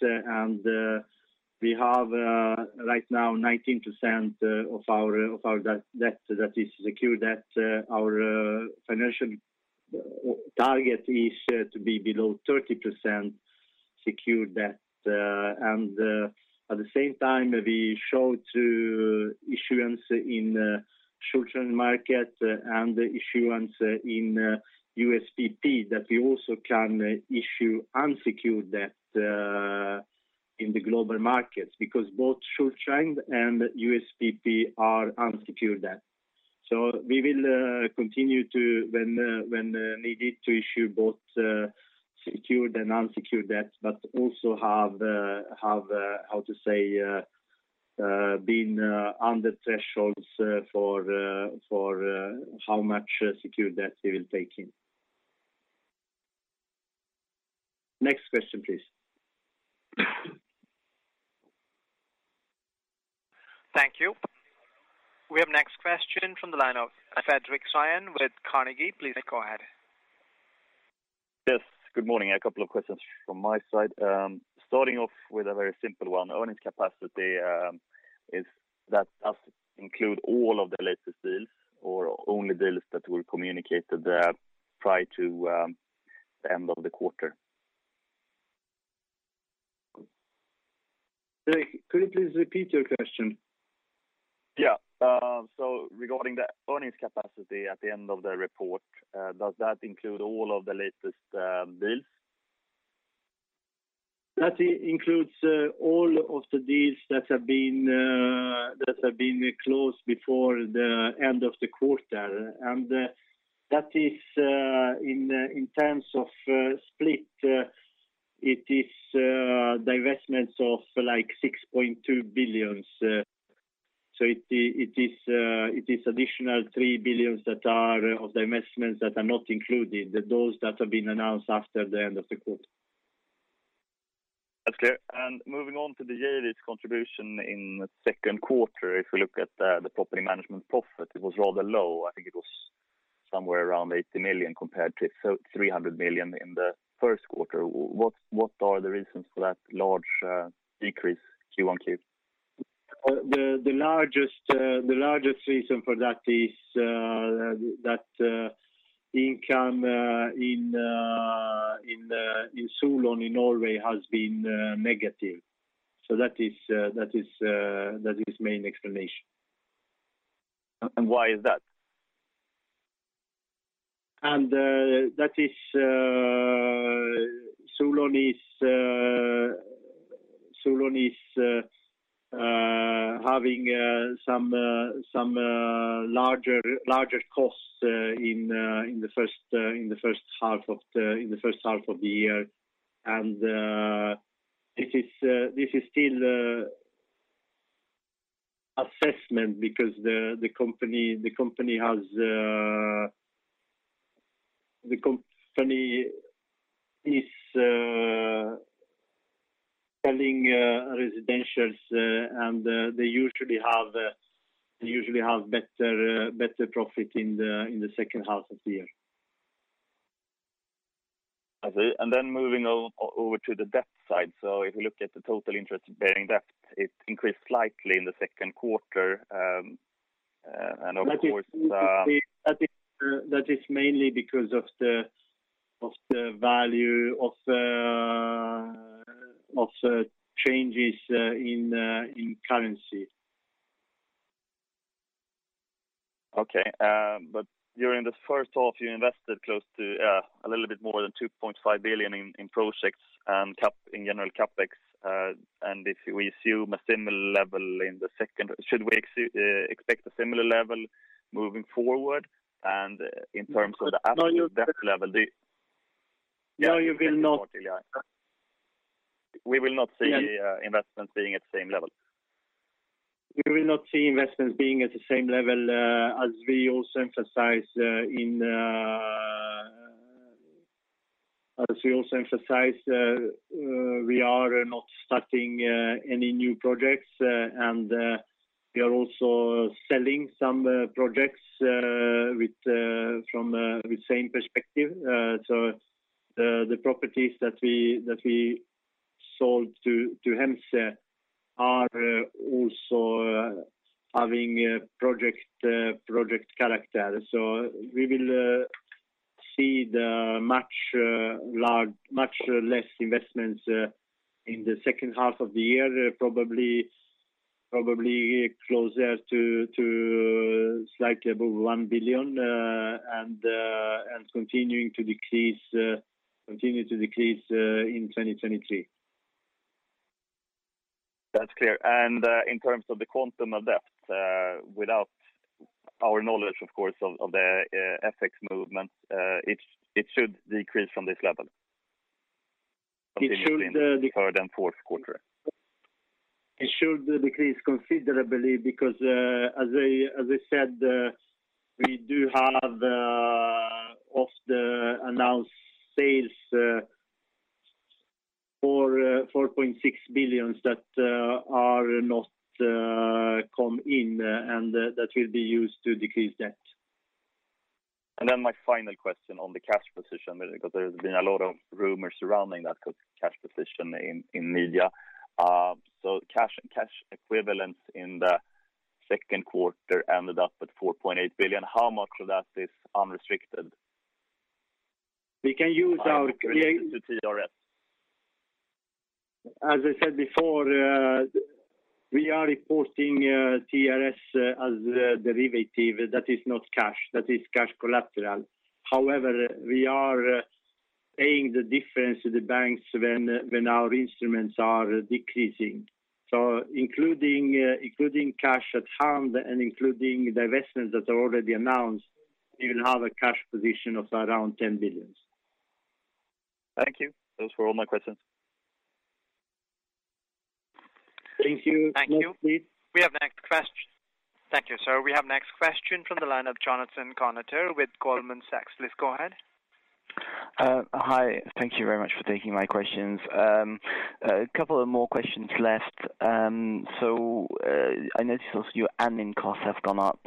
We have right now 19% of our debt that is secured debt. Our financial target is to be below 30% secured debt. At the same time, we show through issuance in the short-term market and issuance in USPP that we also can issue unsecured debt in the global markets because both short-term and USPP are unsecured debt. We will continue to, when needed, issue both secured and unsecured debt, but also have been under thresholds for how much secured debt we will take in. Next question, please. Thank you. We have next question from the line of Fredric Cyon with Carnegie. Please go ahead. Yes, good morning. A couple of questions from my side. Starting off with a very simple one. Earnings capacity does include all of the latest deals or only deals that were communicated prior to the end of the quarter? Fred, could you please repeat your question? Yeah. Regarding the earnings capacity at the end of the report, does that include all of the latest deals? That includes all of the deals that have been closed before the end of the quarter. That is, in terms of split, it is divestments of like 6.2 billion. It is additional 3 billion that are of the investments that are not included, those that have been announced after the end of the quarter. That's clear. Moving on to the JV's contribution in second quarter. If you look at the property management profit, it was rather low. I think it was somewhere around 80 million compared to 300 million in the first quarter. What are the reasons for that large decrease Q-on-Q? The largest reason for that is that income in Solon in Norway has been negative. That is main explanation. Why is that? That is, Solon is having some larger costs in the first half of the year. This is still assessment because the company is selling residential and they usually have better profit in the second half of the year. I see. Moving over to the debt side. If you look at the total interest-bearing debt, it increased slightly in the second quarter, and of course, That is mainly because of the value of changes in currency. Okay. During the first half, you invested close to a little bit more than 2.5 billion in projects and in general CapEx. If we assume a similar level in the second, should we expect a similar level moving forward and in terms of the absolute debt level, the No, you will not. We will not see investments being at the same level? We will not see investments being at the same level. As we also emphasize, we are not starting any new projects, and we are also selling some projects with same perspective. The properties that we sold to Hemsö are also having project character. We will see much less investments in the second half of the year, probably closer to slightly above 1 billion, and continuing to decrease in 2023. That's clear. In terms of the quantum of debt, without our knowledge, of course, of the FX movement, it should decrease from this level. It should. Deferred in fourth quarter? It should decrease considerably because, as I said, we do have, of the announced sales, SEK 4.6 billion that are not come in, and that will be used to decrease debt. My final question on the cash position because there's been a lot of rumors surrounding that cash position in media. Cash equivalents in the second quarter ended up at 4.8 billion. How much of that is unrestricted? We can use our. Related to TRS. As I said before, we are reporting TRS as a derivative that is not cash, that is cash collateral. However, we are paying the difference to the banks when our instruments are decreasing. Including cash at hand and including the investments that are already announced, we will have a cash position of around 10 billion. Thank you. Those were all my questions. Thank you. Thank you. Next, please. We have the next question. Thank you, sir. We have next question from the line of Jonathan Kownator with Goldman Sachs. Please go ahead. Hi. Thank you very much for taking my questions. A couple of more questions left. I noticed also your admin costs have gone up.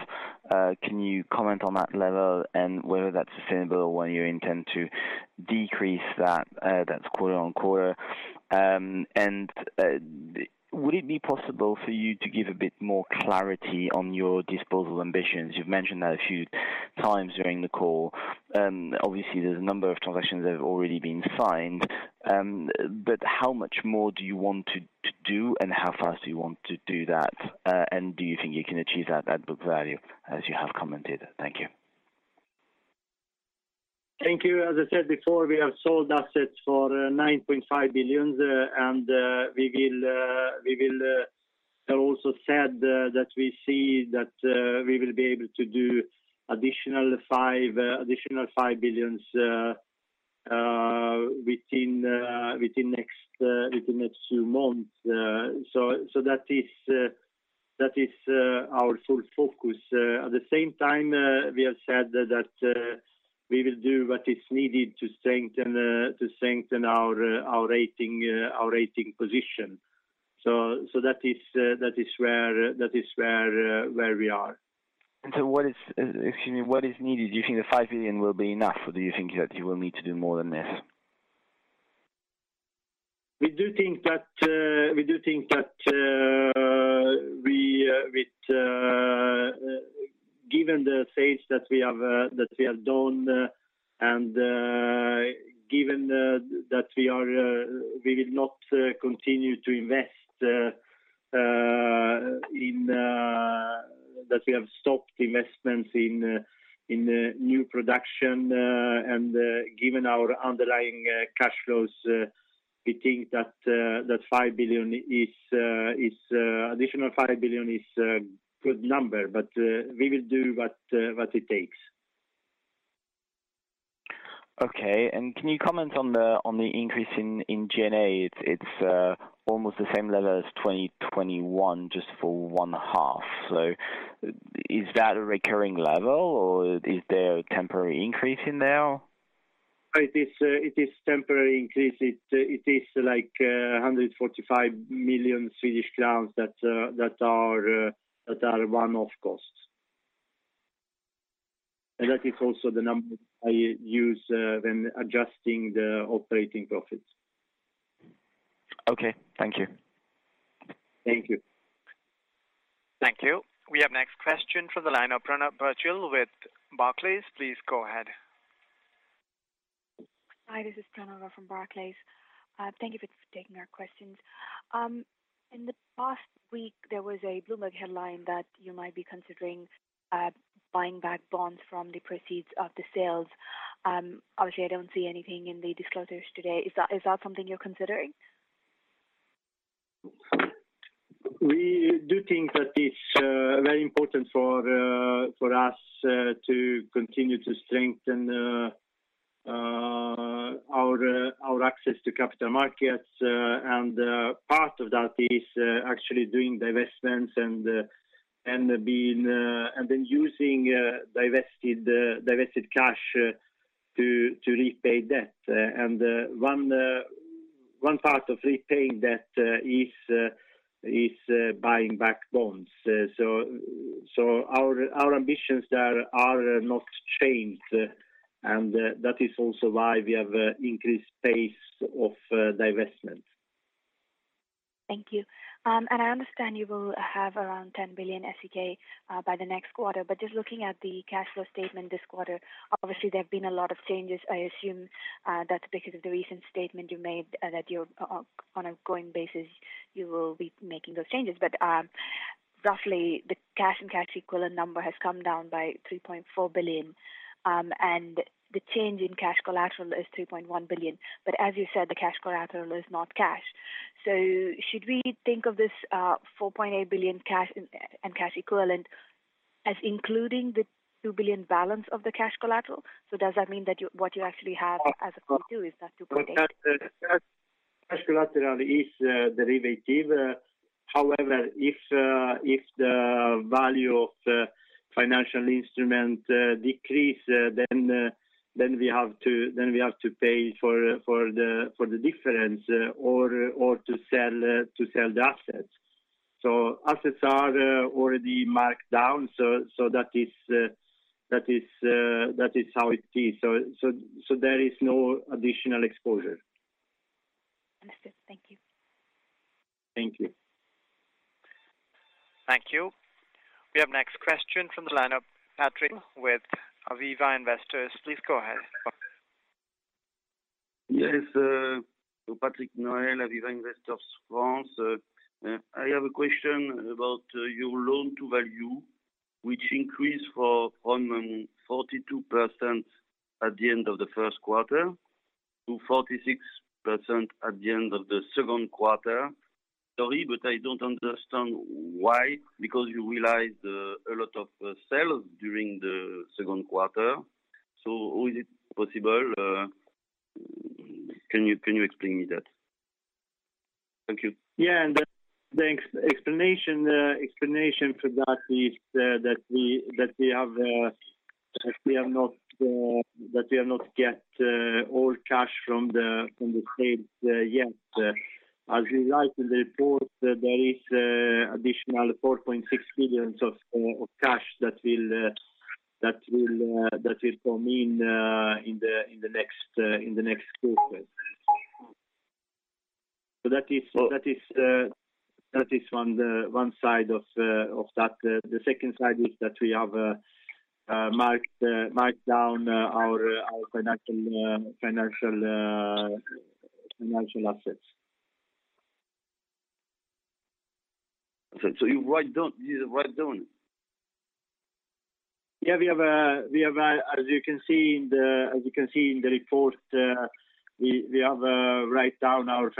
Can you comment on that level and whether that's sustainable or whether you intend to decrease that's quarter-over-quarter? Would it be possible for you to give a bit more clarity on your disposal ambitions? You've mentioned that a few times during the call. Obviously, there's a number of transactions that have already been signed, but how much more do you want to do, and how fast do you want to do that? Do you think you can achieve that book value as you have commented? Thank you. Thank you. As I said before, we have sold assets for 9.5 billion, and we will have also said that we see that we will be able to do additional 5 billion within next two months. That is our full focus. At the same time, we have said that we will do what is needed to strengthen our rating position. That is where we are. What is needed? Do you think the 5 billion will be enough, or do you think that you will need to do more than this? We do think that given the sales that we have done and given that we will not continue to invest, that we have stopped investments in new production, and given our underlying cash flows, we think that additional 5 billion is a good number. We will do what it takes. Okay. Can you comment on the increase in G&A? It's almost the same level as 2021 just for one half. Is that a recurring level or is there a temporary increase in there? It is temporary increase. It is like 145 million Swedish crowns that are one-off costs. That is also the number I use when adjusting the operating profits. Okay. Thank you. Thank you. Thank you. We have next question from the line of Pranav Garcha with Barclays. Please go ahead. Hi, this is Pranav from Barclays. Thank you for taking our questions. In the past week, there was a Bloomberg headline that you might be considering buying back bonds from the proceeds of the sales. Obviously, I don't see anything in the disclosures today. Is that something you're considering? We do think that it's very important for us to continue to strengthen our access to capital markets. Part of that is actually doing divestments and then using divested cash to repay debt. One part of repaying debt is buying back bonds. Our ambitions there are not changed, and that is also why we have increased pace of divestment. Thank you. I understand you will have around 10 billion SEK by the next quarter, but just looking at the cash flow statement this quarter, obviously there have been a lot of changes. I assume that's because of the recent statement you made that you're on ongoing basis, you will be making those changes. Roughly the cash and cash equivalent number has come down by 3.4 billion, and the change in cash collateral is 3.1 billion. As you said, the cash collateral is not cash. Should we think of this 4.8 billion cash and cash equivalent as including the 2 billion balance of the cash collateral? Does that mean that what you actually have as a Q2 is that SEK 2.8 billion? First collateral is derivative. However, if the value of financial instrument decrease, then we have to pay for the difference or to sell the assets. Assets are already marked down. So that is how it is. There is no additional exposure. Understood. Thank you. Thank you. Thank you. We have next question from the line of Patrick with Aviva Investors. Please go ahead. Patrick Noel, Aviva Investors, France. I have a question about your loan-to-value, which increased from 42% at the end of the first quarter to 46% at the end of the second quarter. Sorry, but I don't understand why, because you realized a lot of sales during the second quarter. Is it possible? Can you explain me that? Thank you. The explanation for that is that we have not got all cash from the sales yet. As we write in the report, there is additional 4.6 billion of cash that will come in in the next quarter. That is one side of that. The second side is that we have marked down our financial assets. You write down? We have, as you can see in the report, written down our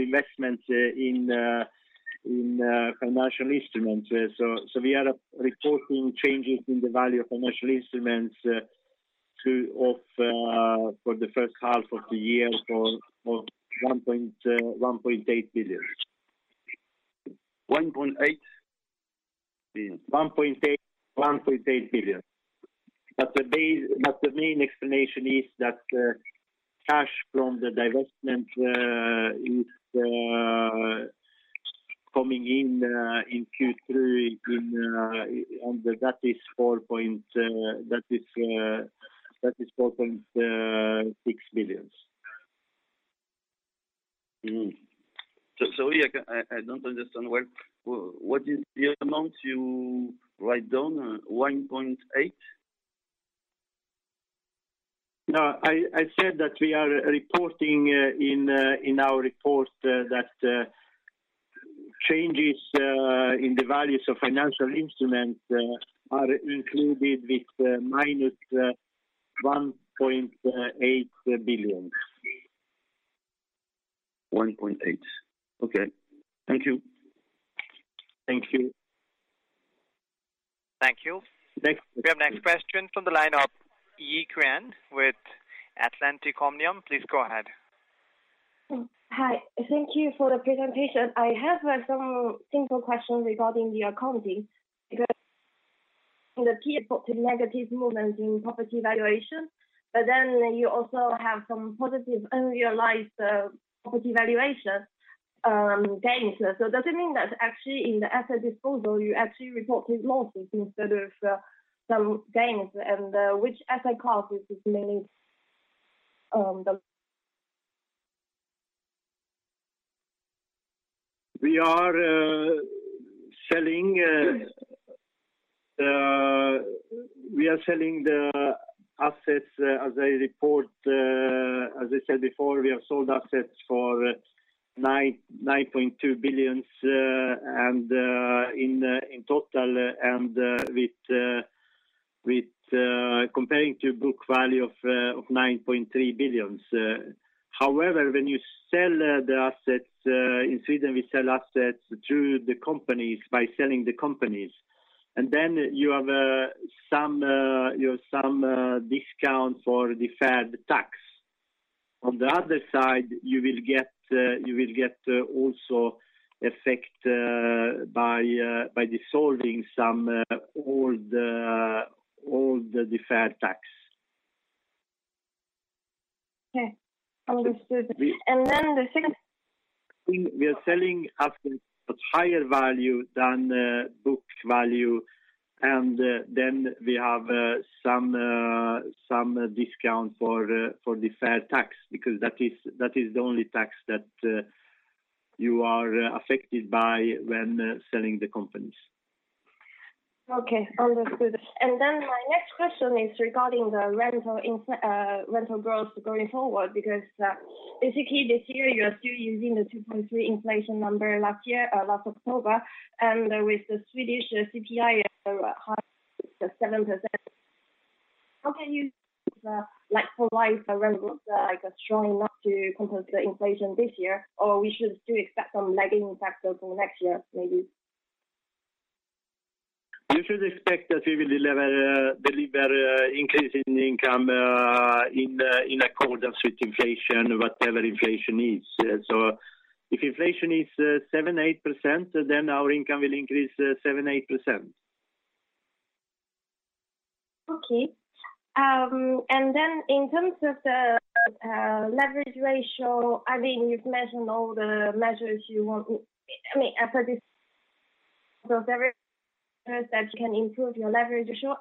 investments in financial instruments. We are reporting changes in the value of financial instruments for the first half of the year, 1.8 billion. 1.8 billion? 1.8 billion. The main explanation is that cash from the divestment is coming in in Q3 and that is 4.6 billion. Mm-hmm. I don't understand well. What is the amount you write down? SEK 1.8 billion? No, I said that we are reporting in our report that changes in the values of financial instruments are included with -1.8 billion. 1.8 billion. Okay. Thank you. Thank you. Thank you. We have next question from the line of Yi Qian with Atlanticomnium. Please go ahead. Hi. Thank you for the presentation. I have some simple questions regarding the accounting. Because in the key negative movement in property valuation, but then you also have some positive unrealized property valuation gains. Does it mean that actually in the asset disposal you actually reported losses instead of some gains? Which asset class is this mainly? We are selling the assets as I report. As I said before, we have sold assets for 9.2 billion in total, comparing to book value of 9.3 billion. However, when you sell the assets in Sweden, we sell assets through the companies by selling the companies. Then you have some discount for deferred tax. On the other side, you will get also effect by dissolving some old deferred tax. Okay. Understood. And then the second- We are selling at a higher value than book value, and then we have some discount for deferred tax, because that is the only tax that you are affected by when selling the companies. Okay. Understood. My next question is regarding the rental growth going forward. Because basically this year you are still using the 2.3% inflation number last year, last October, and with the Swedish CPI at 7%, how can you like provide a rental hike strong enough to compensate for the inflation this year? Should we still expect some lagging effect until next year, maybe? You should expect that we will deliver increase in income in accordance with inflation, whatever inflation is. If inflation is 7%, 8%, then our income will increase 7%, 8%. Okay. In terms of the leverage ratio, I mean, you've mentioned all the measures you want. I mean, I thought that you can improve your leverage ratio.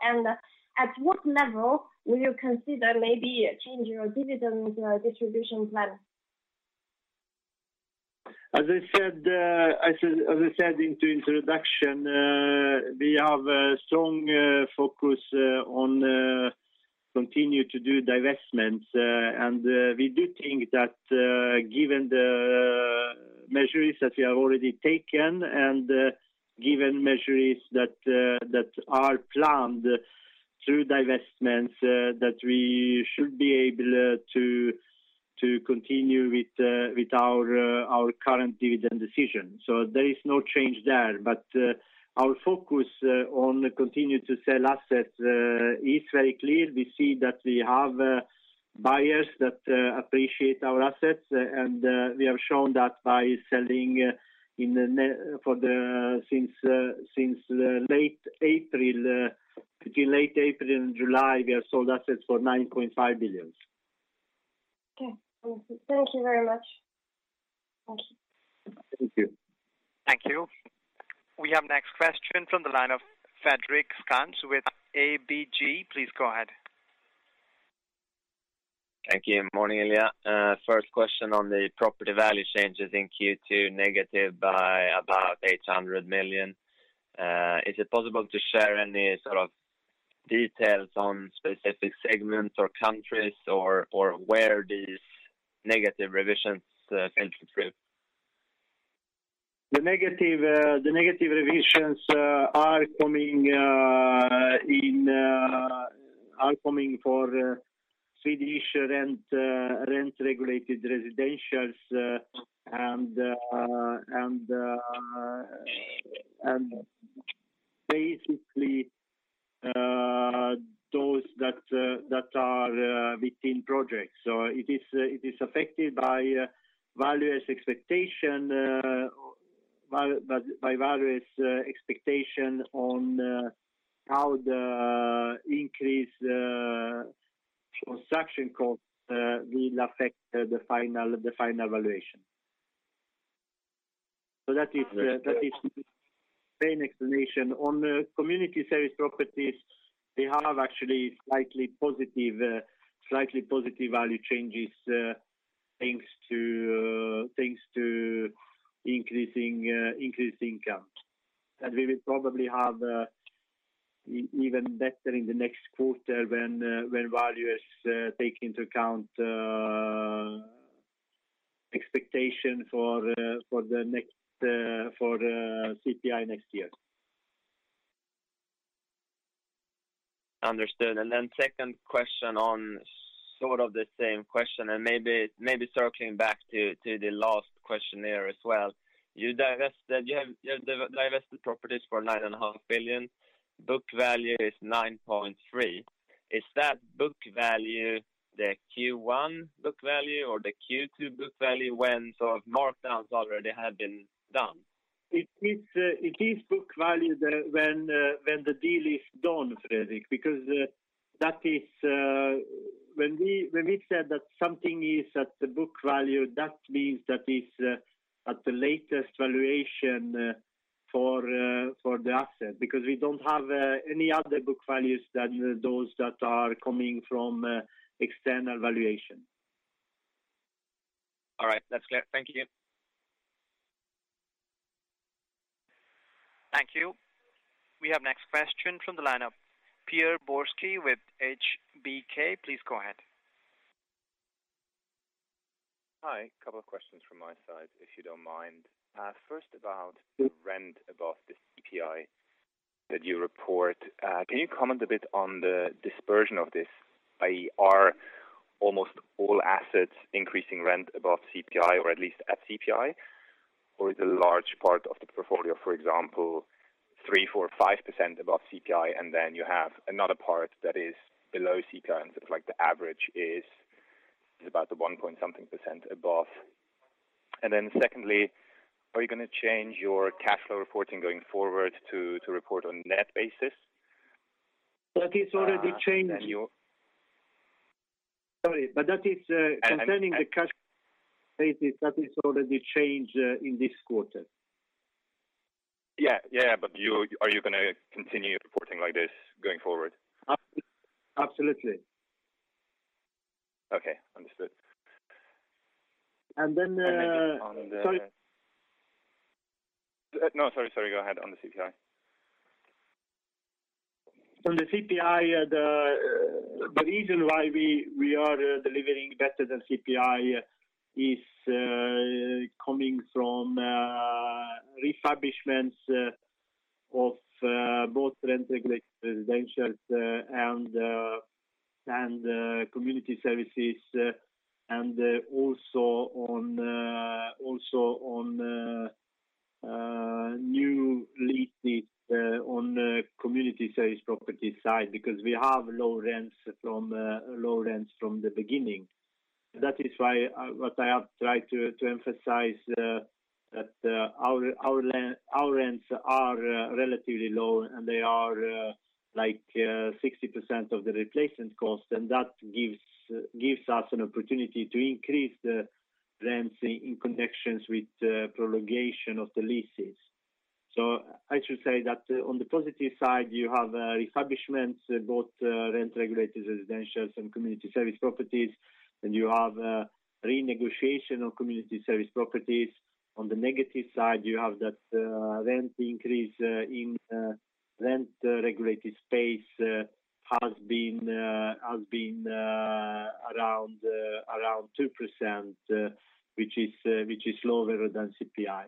At what level will you consider maybe changing your dividend distribution plan? As I said in the introduction, we have a strong focus on continue to do divestments. We do think that, given the measures that we have already taken and given measures that are planned through divestments, that we should be able to continue with our current dividend decision. There is no change there. Our focus on continue to sell assets is very clear. We see that we have buyers that appreciate our assets. We have shown that by selling, since late April, between late April and July, we have sold assets for 9.5 billion. Okay. Thank you very much. Thank you. Thank you. We have next question from the line of Fredrik Stensved with ABG. Please go ahead. Thank you. Morning, Ilija. First question on the property value changes in Q2 negative by about 800 million. Is it possible to share any sort of details on specific segments or countries or where these negative revisions came through? The negative revisions are coming in for Swedish rent regulated residentials and basically those that are within projects. It is affected by valuers' expectation by valuers' expectation on how the increase construction costs will affect the final valuation. That is. Understood. That is the same explanation. On the community service properties, they have actually slightly positive value changes, thanks to increased income. That we will probably have even better in the next quarter when valuers take into account expectation for the CPI next year. Understood. Second question on sort of the same question and maybe circling back to the last questionnaire as well. You have divested properties for 9.5 billion. Book value is 9.3 billion. Is that book value the Q1 book value or the Q2 book value when sort of markdowns already had been done? It is book value when the deal is done, Fredrik, because that is when we said that something is at the book value. That means that is at the latest valuation for the asset, because we don't have any other book values than those that are coming from external valuation. All right. That's clear. Thank you. Thank you. We have next question from the line of Pierre Borski with HBK. Please go ahead. Hi. A couple of questions from my side, if you don't mind. First about the rent above the CPI that you report. Can you comment a bit on the dispersion of this? I.e., are almost all assets increasing rent above CPI or at least at CPI? Or is a large part of the portfolio, for example, 3%, 4%, 5% above CPI, and then you have another part that is below CPI, and sort of like the average is about the 1-point-something percent above. Then secondly, are you gonna change your cash flow reporting going forward to report on net basis? That is already changed. And your- Sorry, that is. And, and- Concerning the cash basis, that is already changed in this quarter. Yeah. Yeah, but are you gonna continue reporting like this going forward? Absolutely. Okay. Understood. And then, And then on the- Sorry. No, sorry. Go ahead. On the CPI. On the CPI, the reason why we are delivering better than CPI is coming from refurbishments of both rent-regulated residentials and community services, and also on new leases on the community service property side, because we have low rents from the beginning. That is why what I have tried to emphasize that our rents are relatively low and they are like 60% of the replacement cost, and that gives us an opportunity to increase the rents in connection with the prolongation of the leases. I should say that on the positive side, you have refurbishments, both rent regulated residentials and community service properties, and you have renegotiation of community service properties. On the negative side, you have that rent increase in rent regulated space has been around 2%, which is lower than CPI.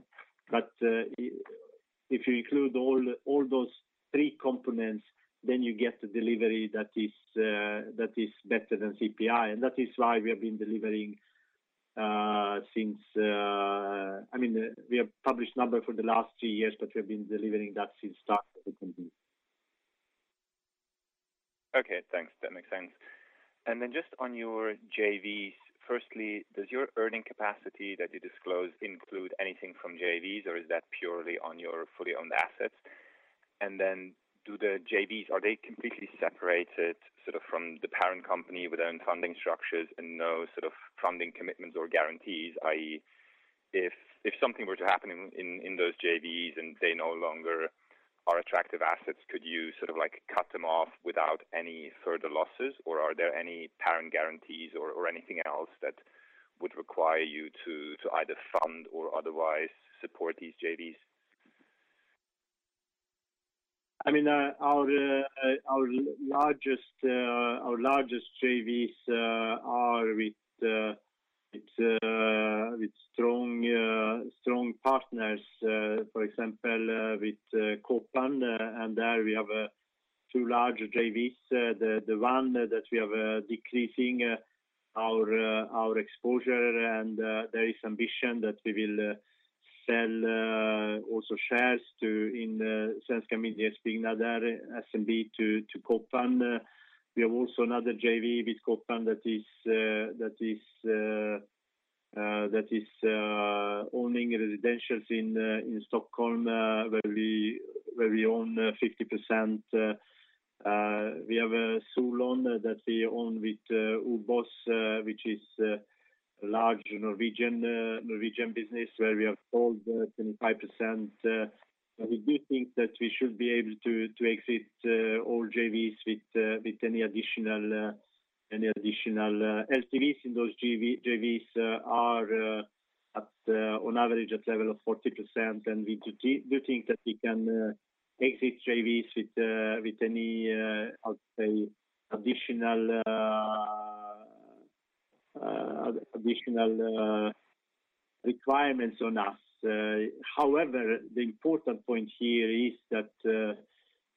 If you include all those three components, then you get a delivery that is better than CPI. That is why we have been delivering. I mean, we have published numbers for the last three years, but we have been delivering that since the start of the company. Okay, thanks. That makes sense. Then just on your JVs. Firstly, does your earning capacity that you disclose include anything from JVs, or is that purely on your fully owned assets? Then do the JVs, are they completely separated sort of from the parent company with their own funding structures and no sort of funding commitments or guarantees? i.e., if something were to happen in those JVs and they no longer are attractive assets, could you sort of like cut them off without any further losses? Are there any parent guarantees or anything else that would require you to either fund or otherwise support these JVs? I mean, our largest JVs are with strong partners, for example, with Kåpan. There we have two large JVs. The one that we have decreasing our exposure. There is ambition that we will sell also shares in Svenska Myndighetsbyggnader, SMB, to Kåpan. We have also another JV with Kåpan that is owning residentials in Stockholm, where we own 50%. We have Solon that we own with OBOS, which is large Norwegian business where we have all 25%. We do think that we should be able to exit all JVs with any additional LTVs in those JVs are on average at level of 40%. We do think that we can exit JVs with any additional requirements on us. However, the important point here is that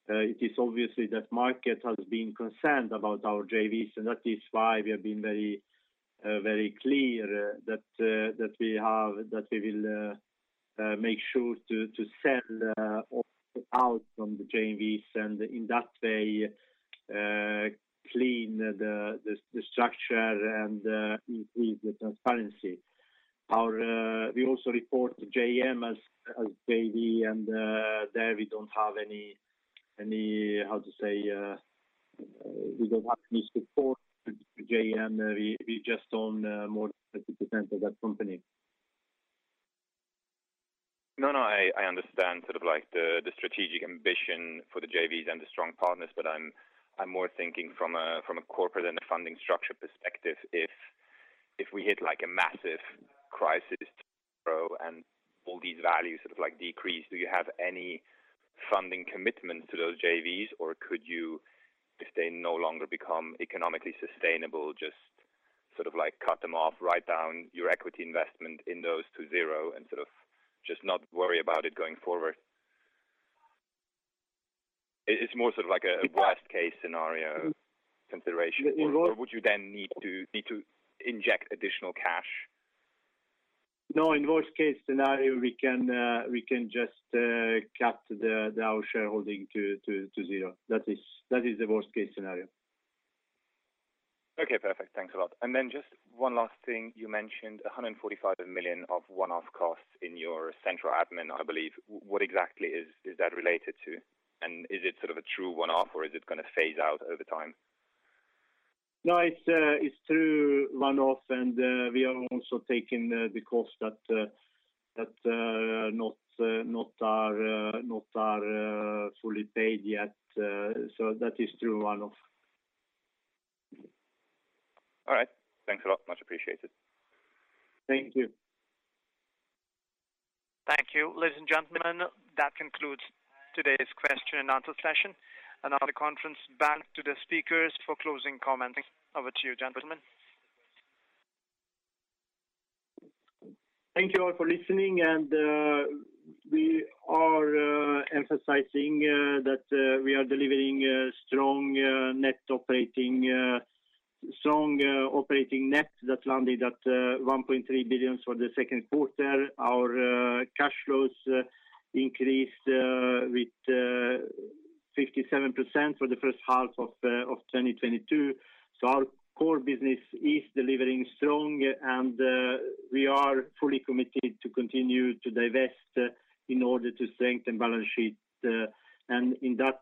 it is obvious that the market has been concerned about our JVs, and that is why we have been very clear that we will make sure to sell all out from the JVs and in that way clean the structure and increase the transparency. We also report to JM as JV and there we don't have any support for JM. We just own more than 50% of that company. No, I understand sort of like the strategic ambition for the JVs and the strong partners, but I'm more thinking from a corporate and a funding structure perspective. If we hit like a massive crisis tomorrow and all these values like decrease, do you have any funding commitments to those JVs? Or could you, if they no longer become economically sustainable, just sort of like cut them off, write down your equity investment in those to zero and sort of just not worry about it going forward? It's more sort of like a worst case scenario consideration. Or would you then need to inject additional cash? No, in worst case scenario we can just cut our shareholding to zero. That is the worst case scenario. Okay, perfect. Thanks a lot. Just one last thing. You mentioned 145 million of one-off costs in your central admin, I believe. What exactly is that related to? Is it sort of a true one-off or is it gonna phase out over time? No, it's true one-off and we are also taking the cost that are not fully paid yet. That is true one-off. All right. Thanks a lot. Much appreciated. Thank you. Thank you. Ladies and gentlemen, that concludes today's question-and-answer session. Now the conference back to the speakers for closing comments. Over to you, gentlemen. Thank you all for listening. We are emphasizing that we are delivering a strong operating net that landed at 1.3 billion for the second quarter. Our cash flows increased with 57% for the first half of 2022. Our core business is delivering strong, and we are fully committed to continue to divest in order to strengthen balance sheet and in that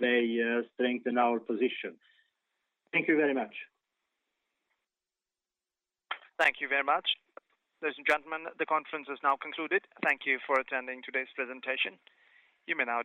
way strengthen our position. Thank you very much. Thank you very much. Ladies and gentlemen, the conference has now concluded. Thank you for attending today's presentation. You may now disconnect.